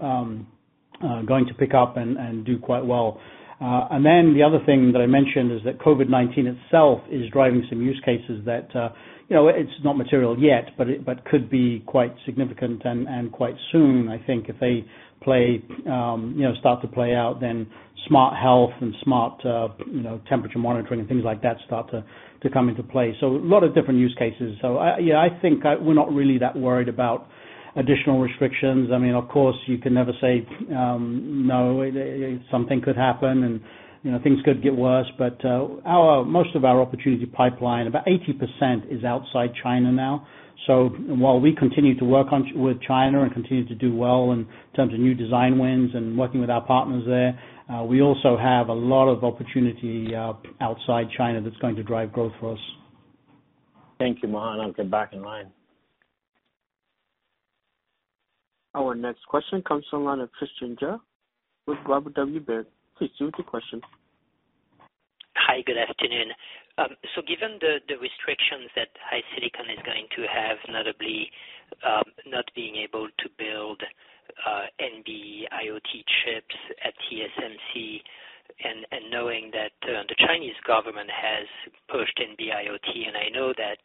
going to pick up and do quite well. The other thing that I mentioned is that COVID-19 itself is driving some use cases that, it's not material yet, but could be quite significant and quite soon, I think if they start to play out, then smart health and smart temperature monitoring and things like that start to come into play. A lot of different use cases. Yeah, I think we're not really that worried about additional restrictions. Of course, you can never say no. Something could happen and things could get worse, most of our opportunity pipeline, about 80%, is outside China now. While we continue to work with China and continue to do well in terms of new design wins and working with our partners there, we also have a lot of opportunity outside China that's going to drive growth for us. Thank you, Mohan. You can back in line. Our next question comes from the line of Tristan Gerra with Robert W. Baird. Please proceed with your question. Hi, good afternoon. Given the restrictions that HiSilicon is going to have, notably not being able to build NB-IoT chips at TSMC, and knowing that the Chinese government has pushed NB-IoT, and I know that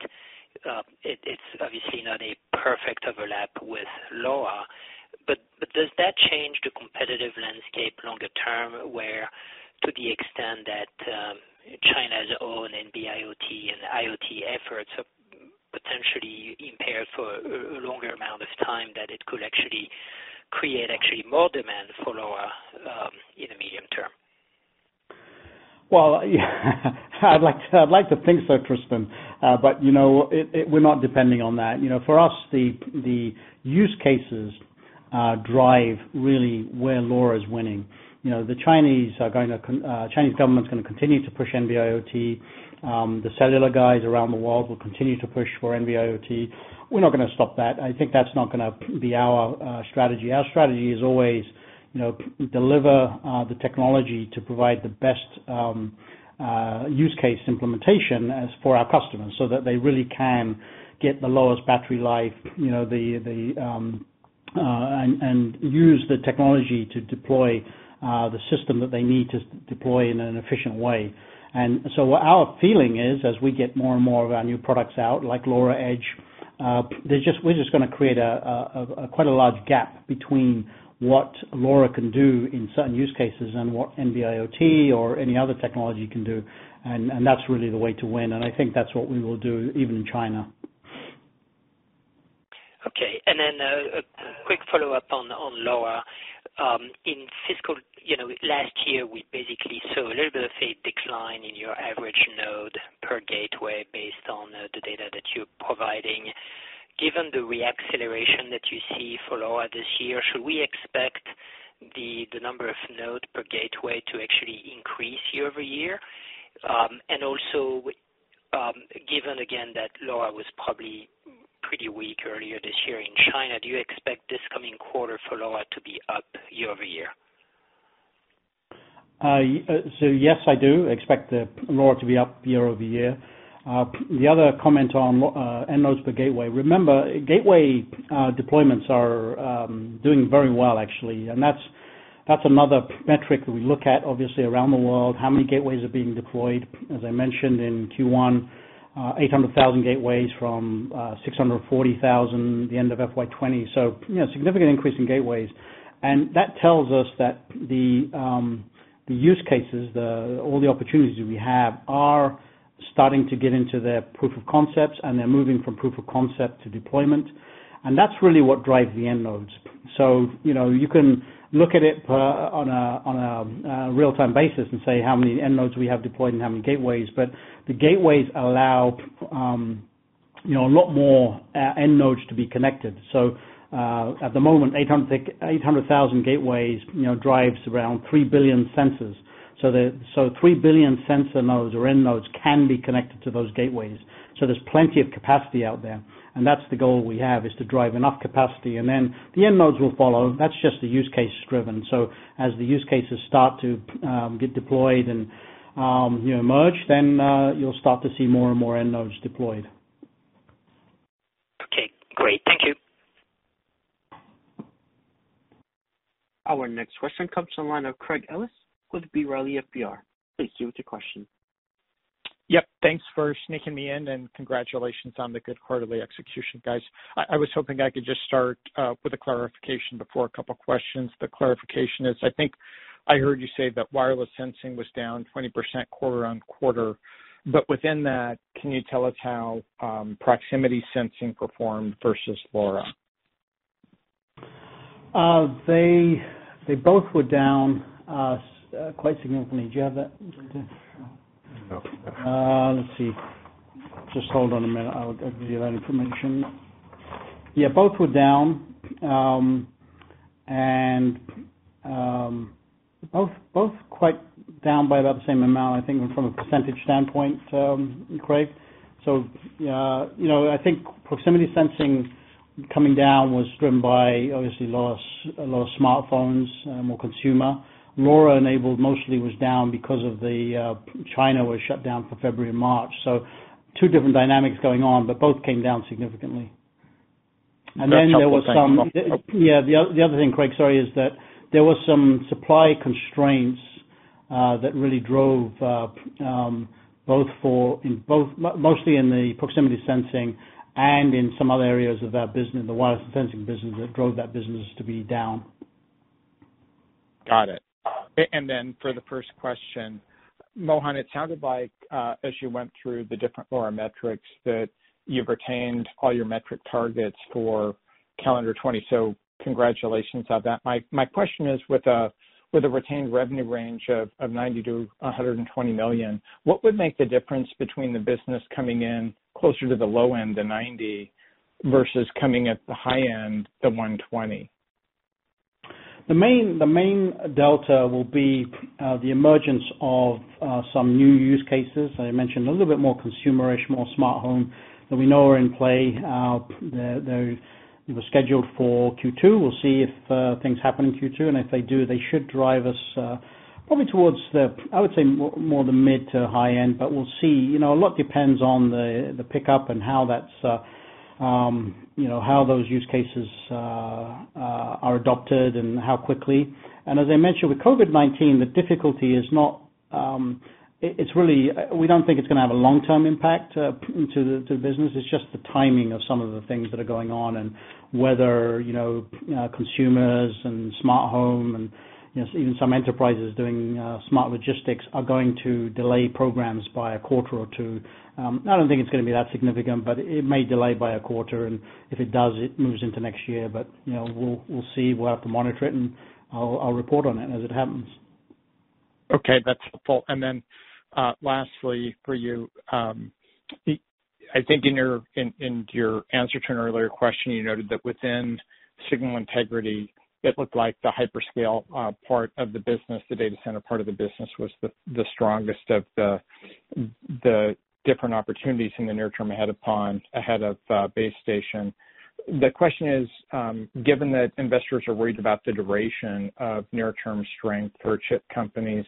it's obviously not a perfect overlap with LoRa, does that change the competitive landscape longer term, where to the extent that China's own NB-IoT and IoT efforts are potentially impaired for a longer amount of time, that it could actually create more demand for LoRa in the medium term? I'd like to think so, Tristan, we're not depending on that. For us, the use cases drive really where LoRa is winning. The Chinese government's going to continue to push NB-IoT. The cellular guys around the world will continue to push for NB-IoT. We're not going to stop that. I think that's not going to be our strategy. Our strategy is always deliver the technology to provide the best use case implementation as for our customers, that they really can get the lowest battery life, and use the technology to deploy the system that they need to deploy in an efficient way. What our feeling is, as we get more and more of our new products out, like LoRa Edge, we're just going to create quite a large gap between what LoRa can do in certain use cases and what NB-IoT or any other technology can do. That's really the way to win, and I think that's what we will do, even in China. A quick follow-up on LoRa. In fiscal last year, we basically saw a little bit of a decline in your average node per gateway based on the data that you're providing. Given the re-acceleration that you see for LoRa this year, should we expect the number of nodes per gateway to actually increase year-over-year? Also, given again that LoRa was probably pretty weak earlier this year in China, do you expect this coming quarter for LoRa to be up year-over-year? Yes, I do expect LoRa to be up year-over-year. The other comment on end nodes per gateway, remember, gateway deployments are doing very well, actually. That's another metric that we look at, obviously, around the world, how many gateways are being deployed. As I mentioned in Q1, 800,000 gateways from 640,000 the end of FY 2020. Significant increase in gateways. That tells us that the use cases, all the opportunities that we have are starting to get into their proof of concepts, and they're moving from proof of concept to deployment. That's really what drives the end nodes. You can look at it on a real-time basis and say how many end nodes we have deployed and how many gateways, but the gateways allow a lot more end nodes to be connected. At the moment, 800,000 gateways drives around 3 billion sensors. 3 billion sensor nodes or end nodes can be connected to those gateways. There's plenty of capacity out there, and that's the goal we have, is to drive enough capacity, and then the end nodes will follow. That's just the use case driven. As the use cases start to get deployed and emerge, then you'll start to see more and more end nodes deployed. Okay, great. Thank you. Our next question comes to the line of Craig Ellis with B. Riley Securities. Please proceed with your question. Yep. Thanks for sneaking me in, congratulations on the good quarterly execution, guys. I was hoping I could just start with a clarification before a couple questions. The clarification is, I think I heard you say that wireless sensing was down 20% quarter-on-quarter. Within that, can you tell us how proximity sensing performed versus LoRa? They both were down quite significantly. Do you have. Okay. Let's see. Just hold on a minute. I'll give you that information. Yeah, both were down. Both quite down by about the same amount, I think from a percentage standpoint, Craig. I think proximity sensing coming down was driven by, obviously, a lot of smartphones, more consumer. LoRa enabled mostly was down because of China was shut down for February and March. Two different dynamics going on, but both came down significantly. That's helpful. Thank you. Yeah. The other thing, Craig, sorry, is that there was some supply constraints that really drove, mostly in the proximity sensing and in some other areas of our business, the wireless sensing business, that drove that business to be down. Got it. For the first question, Mohan, it sounded like, as you went through the different LoRa metrics, that you've retained all your metric targets for calendar 2020. Congratulations on that. My question is, with a retained revenue range of $90 million-$120 million, what would make the difference between the business coming in closer to the low end, the $90, versus coming at the high end, the $120? The main delta will be the emergence of some new use cases. I mentioned a little bit more consumerism, more smart home, that we know are in play. They're scheduled for Q2. We'll see if things happen in Q2, and if they do, they should drive us probably towards the, I would say, more the mid to high end, but we'll see. A lot depends on the pickup and how those use cases are adopted and how quickly. As I mentioned, with COVID-19, the difficulty is, we don't think it's going to have a long-term impact to the business. It's just the timing of some of the things that are going on, and whether consumers and smart home and even some enterprises doing smart logistics are going to delay programs by a quarter or two. I don't think it's going to be that significant, it may delay by a quarter, and if it does, it moves into next year. We'll see. We'll have to monitor it, and I'll report on it as it happens. Okay, that's helpful. Lastly for you, I think in your answer to an earlier question, you noted that within signal integrity, it looked like the hyperscale part of the business, the data center part of the business, was the strongest of the different opportunities in the near term ahead of PON, ahead of base station. The question is, given that investors are worried about the duration of near-term strength for chip companies,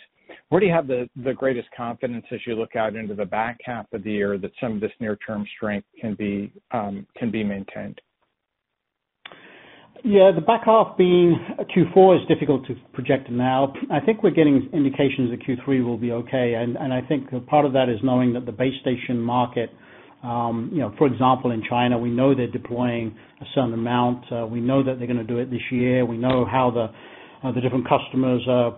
where do you have the greatest confidence as you look out into the back half of the year that some of this near-term strength can be maintained? Yeah, the back half being Q4 is difficult to project now. I think we're getting indications that Q3 will be okay, and I think part of that is knowing that the base station market, for example, in China, we know they're deploying a certain amount. We know that they're going to do it this year. We know how the different customers are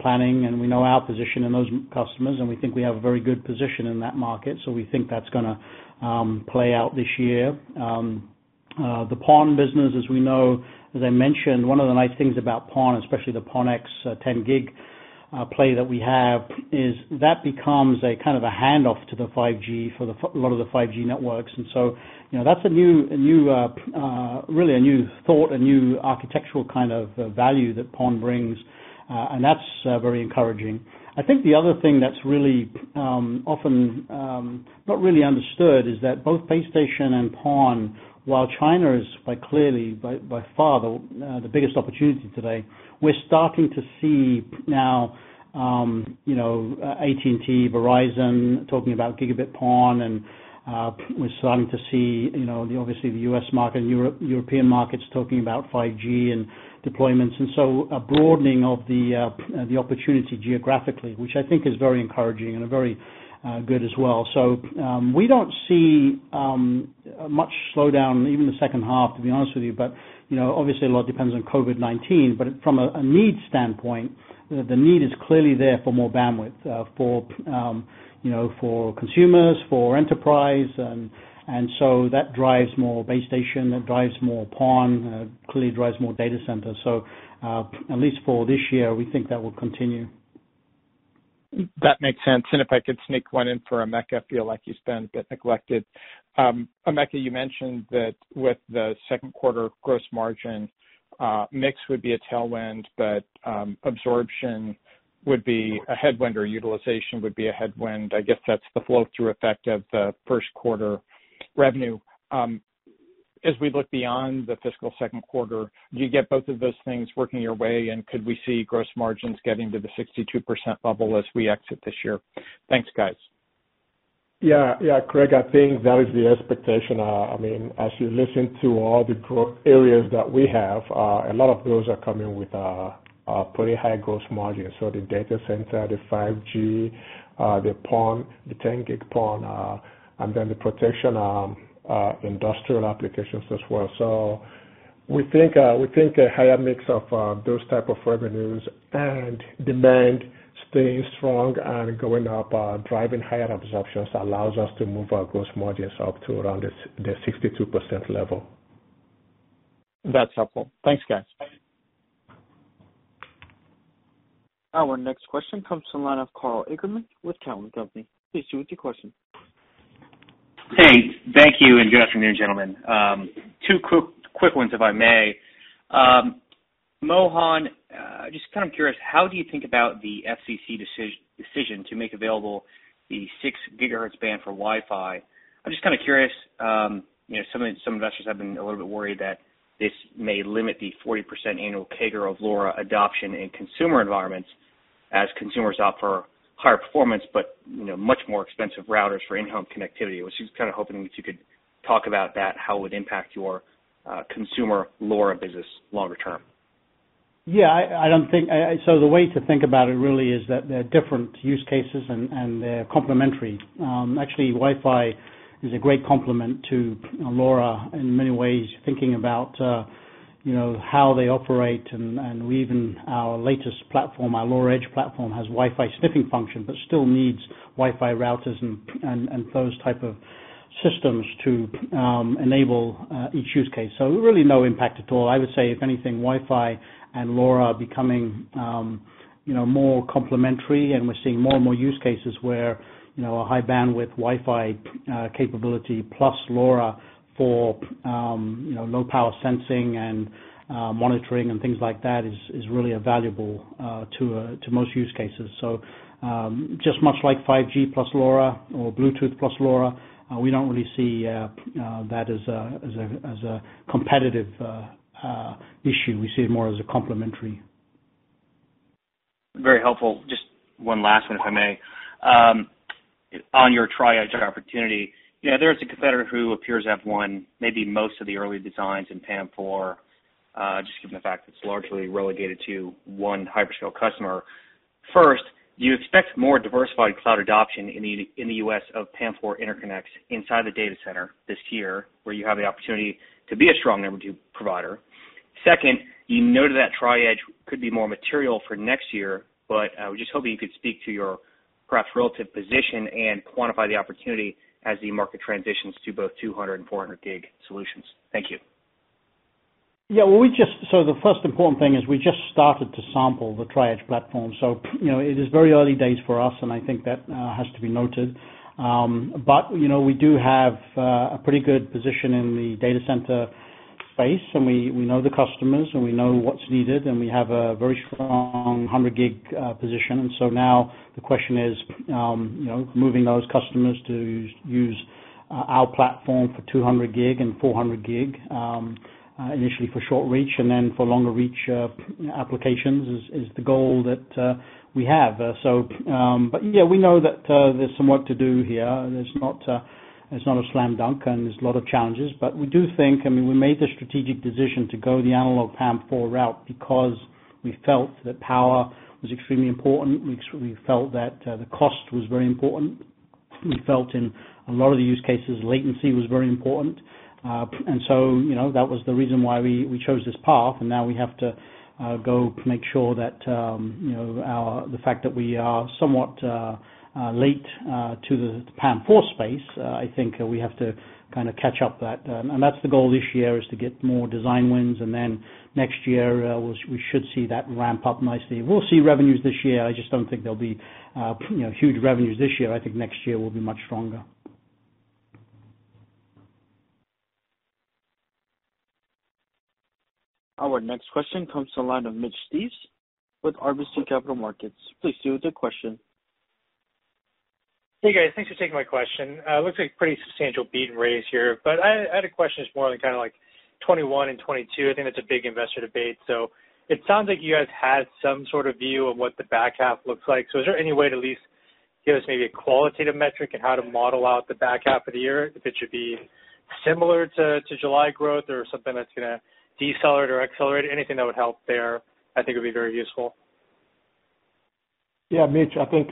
planning, and we know our position in those customers, and we think we have a very good position in that market. We think that's going to play out this year. The PON business, as we know, as I mentioned, one of the nice things about PON, especially the PON-X 10G play that we have, is that becomes a kind of a handoff to the 5G for a lot of the 5G networks. That's really a new thought, a new architectural kind of value that PON brings. That's very encouraging. I think the other thing that's really often not really understood is that both base station and PON, while China is clearly by far the biggest opportunity today, we're starting to see now AT&T, Verizon talking about gigabit PON, and we're starting to see, obviously, the U.S. market and European markets talking about 5G and deployments. A broadening of the opportunity geographically, which I think is very encouraging and very good as well. We don't see much slowdown, even the second half, to be honest with you. Obviously a lot depends on COVID-19, but from a need standpoint, the need is clearly there for more bandwidth, for consumers, for enterprise, and so that drives more base station, that drives more PON, clearly drives more data center. At least for this year, we think that will continue. That makes sense. If I could sneak one in for Emeka, I feel like he's been a bit neglected. Emeka, you mentioned that with the second quarter gross margin, mix would be a tailwind, but absorption would be a headwind or utilization would be a headwind. I guess that's the flow-through effect of the first quarter revenue. As we look beyond the fiscal second quarter, do you get both of those things working your way, and could we see gross margins getting to the 62% level as we exit this year? Thanks, guys. Yeah. Craig, I think that is the expectation. As you listen to all the growth areas that we have, a lot of those are coming with pretty high gross margins. The data center, the 5G, the 10G PON, and then the protection industrial applications as well. We think a higher mix of those type of revenues and demand staying strong and going up, driving higher absorptions, allows us to move our gross margins up to around the 62% level. That's helpful. Thanks, guys. Our next question comes from the line of Karl Ackerman with Cowen and Company. Please proceed with your question. Hey, thank you. Good afternoon, gentlemen. Two quick ones, if I may. Mohan, just kind of curious, how do you think about the FCC decision to make available the 6 GHz band for Wi-Fi? I'm just kind of curious, some investors have been a little bit worried that this may limit the 40% annual CAGR of LoRa adoption in consumer environments as consumers opt for higher performance, but much more expensive routers for in-home connectivity. I was just kind of hoping that you could talk about that, how it would impact your consumer LoRa business longer term. Yeah. The way to think about it really is that they're different use cases and they're complementary. Actually, Wi-Fi is a great complement to LoRa in many ways, thinking about how they operate and even our latest platform, our LoRa Edge platform, has Wi-Fi sniffing function, but still needs Wi-Fi routers and those type of systems to enable each use case. Really no impact at all. I would say, if anything, Wi-Fi and LoRa are becoming more complementary, and we're seeing more and more use cases where a high bandwidth Wi-Fi capability plus LoRa for low power sensing and monitoring and things like that is really valuable to most use cases. Just much like 5G plus LoRa or Bluetooth plus LoRa, we don't really see that as a competitive issue. We see it more as a complementary. Very helpful. Just one last one, if I may. On your Tri-Edge opportunity, there is a competitor who appears to have won maybe most of the early designs in PAM4, just given the fact it's largely relegated to one hyperscale customer. First, do you expect more diversified cloud adoption in the U.S. of PAM4 interconnects inside the data center this year, where you have the opportunity to be a strong number two provider? Second, you noted that Tri-Edge could be more material for next year, but I was just hoping you could speak to your, perhaps, relative position and quantify the opportunity as the market transitions to both 200G and 400G solutions. Thank you. Yeah. The first important thing is we just started to sample the Tri-Edge platform. It is very early days for us, and I think that has to be noted. We do have a pretty good position in the data center space, and we know the customers, and we know what's needed, and we have a very strong 100G position. Now the question is, moving those customers to use our platform for 200G and 400G, initially for short reach and then for longer reach applications is the goal that we have. Yeah, we know that there's some work to do here. It's not a slam dunk, and there's a lot of challenges. We do think, we made the strategic decision to go the analog PAM-4 route because we felt that power was extremely important. We felt that the cost was very important. We felt in a lot of the use cases, latency was very important. That was the reason why we chose this path, and now we have to go make sure that the fact that we are somewhat late to the PAM4 space, I think we have to kind of catch up that. That's the goal this year, is to get more design wins, and then next year, we should see that ramp up nicely. We'll see revenues this year. I just don't think there'll be huge revenues this year. I think next year will be much stronger. Our next question comes to the line of Mitch Steves with RBC Capital Markets. Please proceed with your question. Hey, guys. Thanks for taking my question. Looks like pretty substantial beat and raise here. I had a question, just more on kind of like 2021 and 2022. I think that's a big investor debate. It sounds like you guys had some sort of view of what the back half looks like. Is there any way to at least give us maybe a qualitative metric in how to model out the back half of the year, if it should be similar to July growth or something that's going to decelerate or accelerate? Anything that would help there, I think, would be very useful. Yeah, Mitch, I think,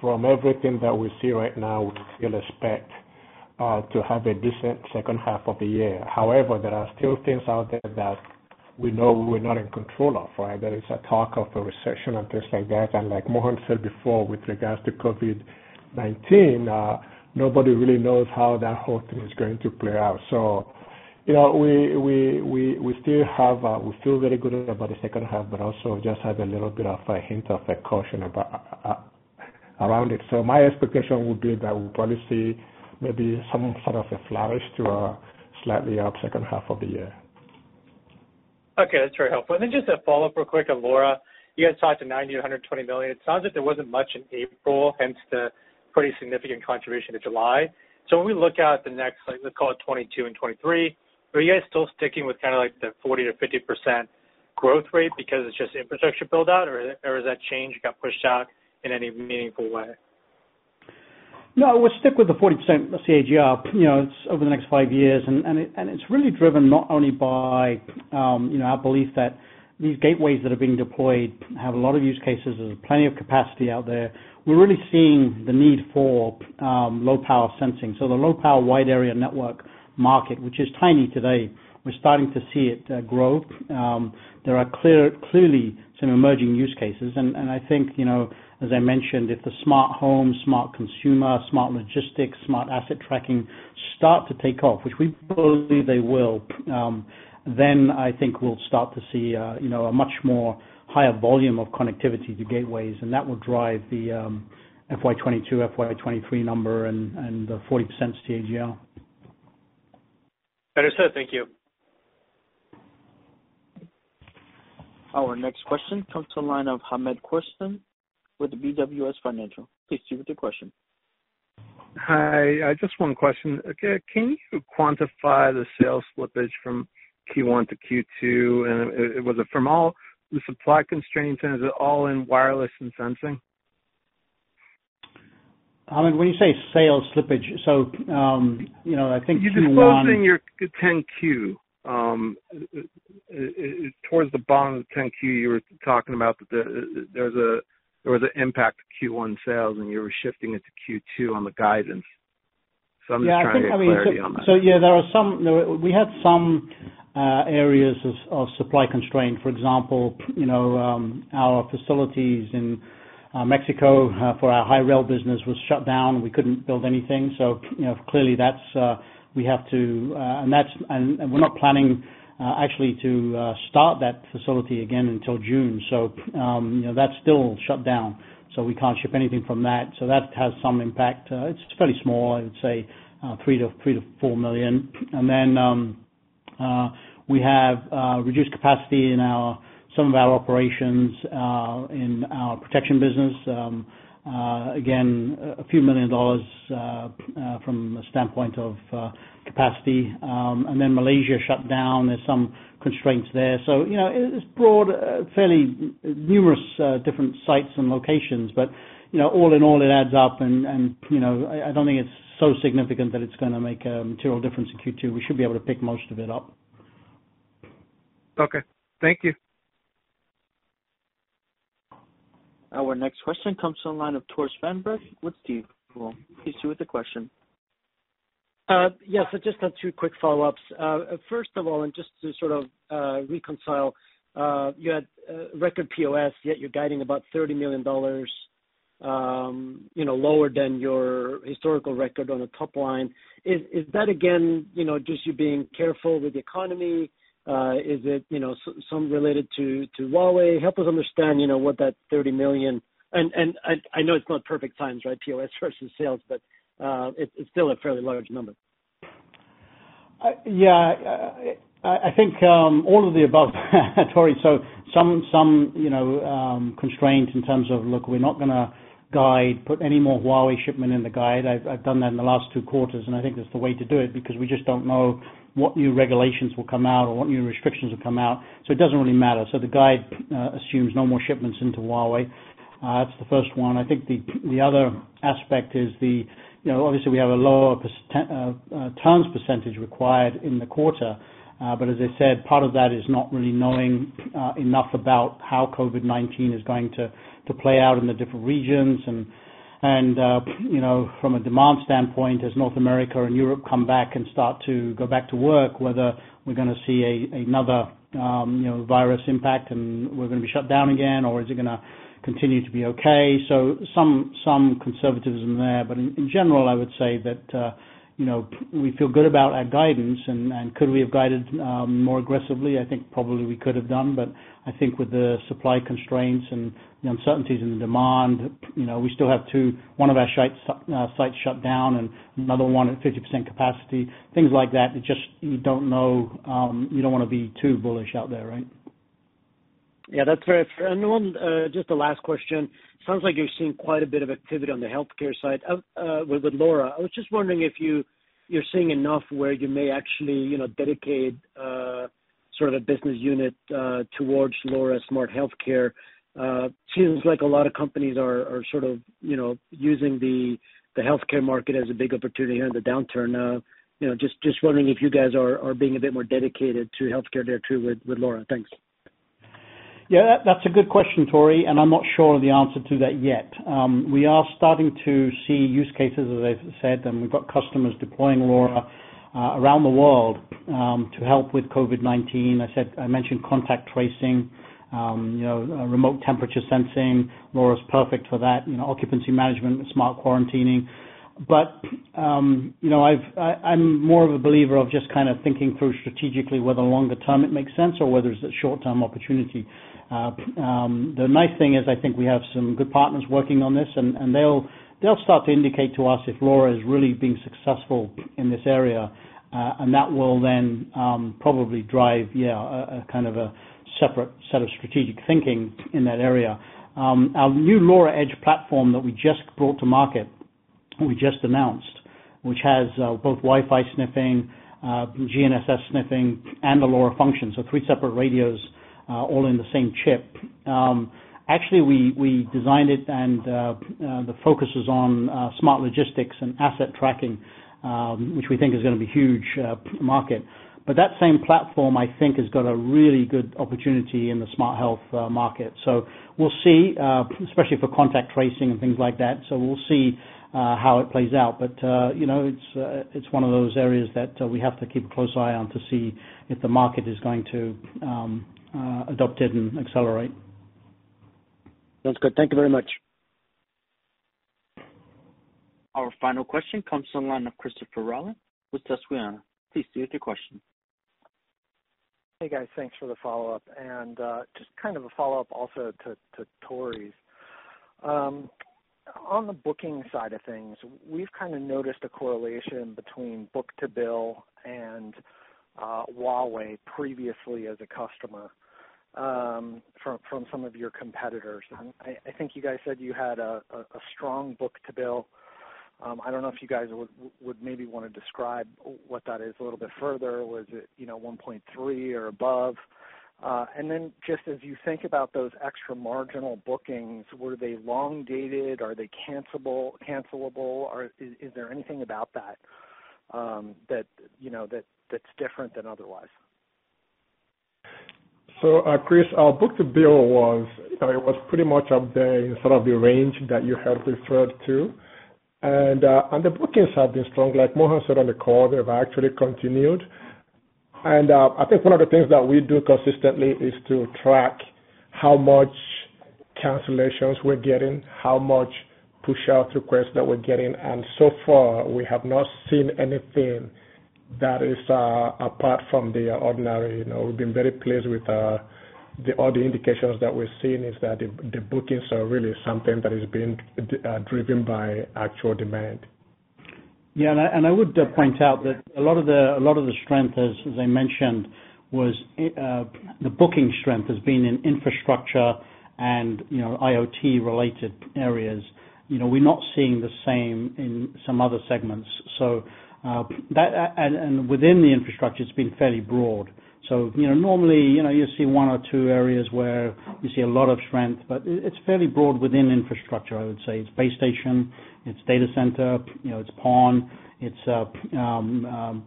from everything that we see right now, we still expect to have a decent second half of the year. However, there are still things out there that we know we're not in control of, right? There is a talk of a recession and things like that, and like Mohan said before, with regards to COVID-19, nobody really knows how that whole thing is going to play out. We feel very good about the second half, but also just have a little bit of a hint of caution around it. My expectation would be that we'll probably see maybe some sort of a flourish to a slightly up second half of the year. Okay, that's very helpful. Just a follow-up real quick on LoRa. You guys talked to $90 million-$120 million. It sounds like there wasn't much in April, hence the pretty significant contribution to July. When we look out at the next, let's call it 2022 and 2023, are you guys still sticking with kind of like the 40%-50% growth rate because it's just infrastructure build-out, or has that changed, got pushed out in any meaningful way? No, we'll stick with the 40% CAGR over the next five years. It's really driven not only by our belief that these gateways that are being deployed have a lot of use cases. There's plenty of capacity out there. We're really seeing the need for low power sensing. The low power wide area network market, which is tiny today, we're starting to see it grow. There are clearly some emerging use cases. I think, as I mentioned, if the smart home, smart consumer, smart logistics, smart asset tracking start to take off, which we believe they will, I think we'll start to see a much more higher volume of connectivity to gateways. That will drive the FY 2022, FY 2023 number and the 40% CAGR. Understood. Thank you. Our next question comes to the line of Hamed Khorsand with the BWS Financial. Please proceed with your question. Hi. Just one question. Okay. Can you quantify the sales slippage from Q1 to Q2? Was it from all the supply constraints, and is it all in wireless and sensing? Hamed, when you say sales slippage, I think Q1- Disclosing your 10-Q. Towards the bottom of the 10-Q, you were talking about there was an impact to Q1 sales, and you were shifting it to Q2 on the guidance. I'm just trying to get clarity on that. Yeah, we had some areas of supply constraint. For example, our facilities in Mexico for our hi-rel business was shut down. We couldn't build anything. Clearly, we're not planning actually to start that facility again until June. That's still shut down, so we can't ship anything from that. That has some impact. It's fairly small, I would say, $3 million-$4 million. We have reduced capacity in some of our operations, in our protection business. Again, a few million dollars, from a standpoint of capacity. Malaysia shut down. There's some constraints there. It's broad, fairly numerous, different sites and locations. All in all, it adds up and I don't think it's so significant that it's going to make a material difference in Q2. We should be able to pick most of it up. Okay. Thank you. Our next question comes to the line of Tore Svanberg with Stifel. Please proceed with the question. Yes. I just have two quick follow-ups. First of all, just to sort of reconcile, you had record POS, yet you're guiding about $30 million, lower than your historical record on the top line. Is that again, just you being careful with the economy? Is it some related to Huawei? Help us understand what that $30 million. I know it's not perfect science, right, POS versus sales, but it's still a fairly large number. Yeah. I think all of the above, Torsten. Some constraints in terms of, look, we're not going to guide, put any more Huawei shipment in the guide. I've done that in the last two quarters, and I think that's the way to do it, because we just don't know what new regulations will come out or what new restrictions will come out. It doesn't really matter. The guide assumes no more shipments into Huawei. That's the first one. I think the other aspect is obviously we have a lower turns percentage required in the quarter. As I said, part of that is not really knowing enough about how COVID-19 is going to play out in the different regions and, from a demand standpoint, as North America and Europe come back and start to go back to work, whether we're going to see another virus impact and we're going to be shut down again, or is it going to continue to be okay? Some conservatism there. In general, I would say that we feel good about our guidance and could we have guided more aggressively? I think probably we could have done, but I think with the supply constraints and the uncertainties in the demand, we still have one of our sites shut down and another one at 50% capacity, things like that, you don't want to be too bullish out there, right? Yeah, that's fair. One, just a last question. Sounds like you're seeing quite a bit of activity on the healthcare side, with LoRa. I was just wondering if you're seeing enough where you may actually dedicate a business unit towards LoRa Smart Healthcare. Seems like a lot of companies are using the healthcare market as a big opportunity during the downturn. Just wondering if you guys are being a bit more dedicated to healthcare there too with LoRa. Thanks. Yeah, that's a good question, Tore, I'm not sure of the answer to that yet. We are starting to see use cases, as I said, we've got customers deploying LoRa around the world, to help with COVID-19. I mentioned contact tracing, remote temperature sensing, LoRa's perfect for that, occupancy management with smart quarantining. I'm more of a believer of just kind of thinking through strategically whether longer term it makes sense or whether it's a short-term opportunity. The nice thing is I think we have some good partners working on this, they'll start to indicate to us if LoRa is really being successful in this area. That will then probably drive a kind of a separate set of strategic thinking in that area. Our new LoRa Edge platform that we just brought to market, we just announced, which has both Wi-Fi sniffing, GNSS sniffing, and the LoRa function. Three separate radios, all in the same chip. Actually, we designed it and the focus is on smart logistics and asset tracking, which we think is going to be a huge market. That same platform, I think, has got a really good opportunity in the smart health market. We'll see, especially for contact tracing and things like that. We'll see how it plays out. It's one of those areas that we have to keep a close eye on to see if the market is going to adopt it and accelerate. Sounds good. Thank you very much. Our final question comes from the line of Christopher Rolland with Susquehanna. Please proceed with your question. Hey, guys. Thanks for the follow-up, just kind of a follow-up also to Tore's. On the booking side of things, we've kind of noticed a correlation between book-to-bill and Huawei previously as a customer, from some of your competitors. I think you guys said you had a strong book-to-bill. I don't know if you guys would maybe want to describe what that is a little bit further. Was it 1.3 or above? Just as you think about those extra marginal bookings, were they long dated? Are they cancelable? Is there anything about that's different than otherwise? Chris, our book-to-bill was pretty much up there in sort of the range that you have referred to. The bookings have been strong. Like Mohan said on the call, they've actually continued. I think one of the things that we do consistently is to track how much cancellations we're getting, how much push-out requests that we're getting. So far, we have not seen anything that is apart from the ordinary. We've been very pleased with all the indications that we're seeing is that the bookings are really something that is being driven by actual demand. Yeah, I would point out that a lot of the strength, as I mentioned, was the booking strength has been in infrastructure and IoT related areas. We're not seeing the same in some other segments. Within the infrastructure, it's been fairly broad. Normally, you see one or two areas where you see a lot of strength, but it's fairly broad within infrastructure, I would say. It's base station, it's data center, it's PON, it's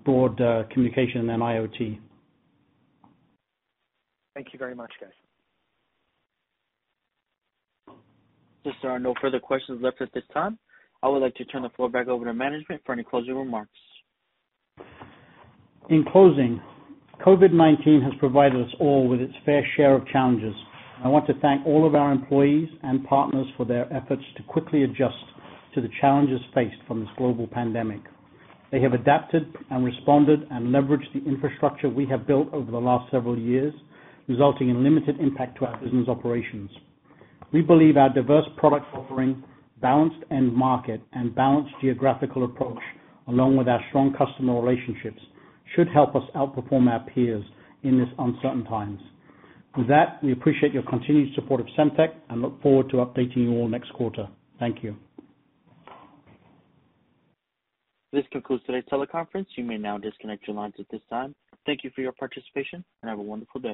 broad communication and IoT. Thank you very much, guys. Since there are no further questions left at this time, I would like to turn the floor back over to management for any closing remarks. In closing, COVID-19 has provided us all with its fair share of challenges. I want to thank all of our employees and partners for their efforts to quickly adjust to the challenges faced from this global pandemic. They have adapted and responded and leveraged the infrastructure we have built over the last several years, resulting in limited impact to our business operations. We believe our diverse product offering, balanced end market, and balanced geographical approach, along with our strong customer relationships, should help us outperform our peers in this uncertain times. With that, we appreciate your continued support of Semtech and look forward to updating you all next quarter. Thank you. This concludes today's teleconference. You may now disconnect your lines at this time. Thank you for your participation, and have a wonderful day.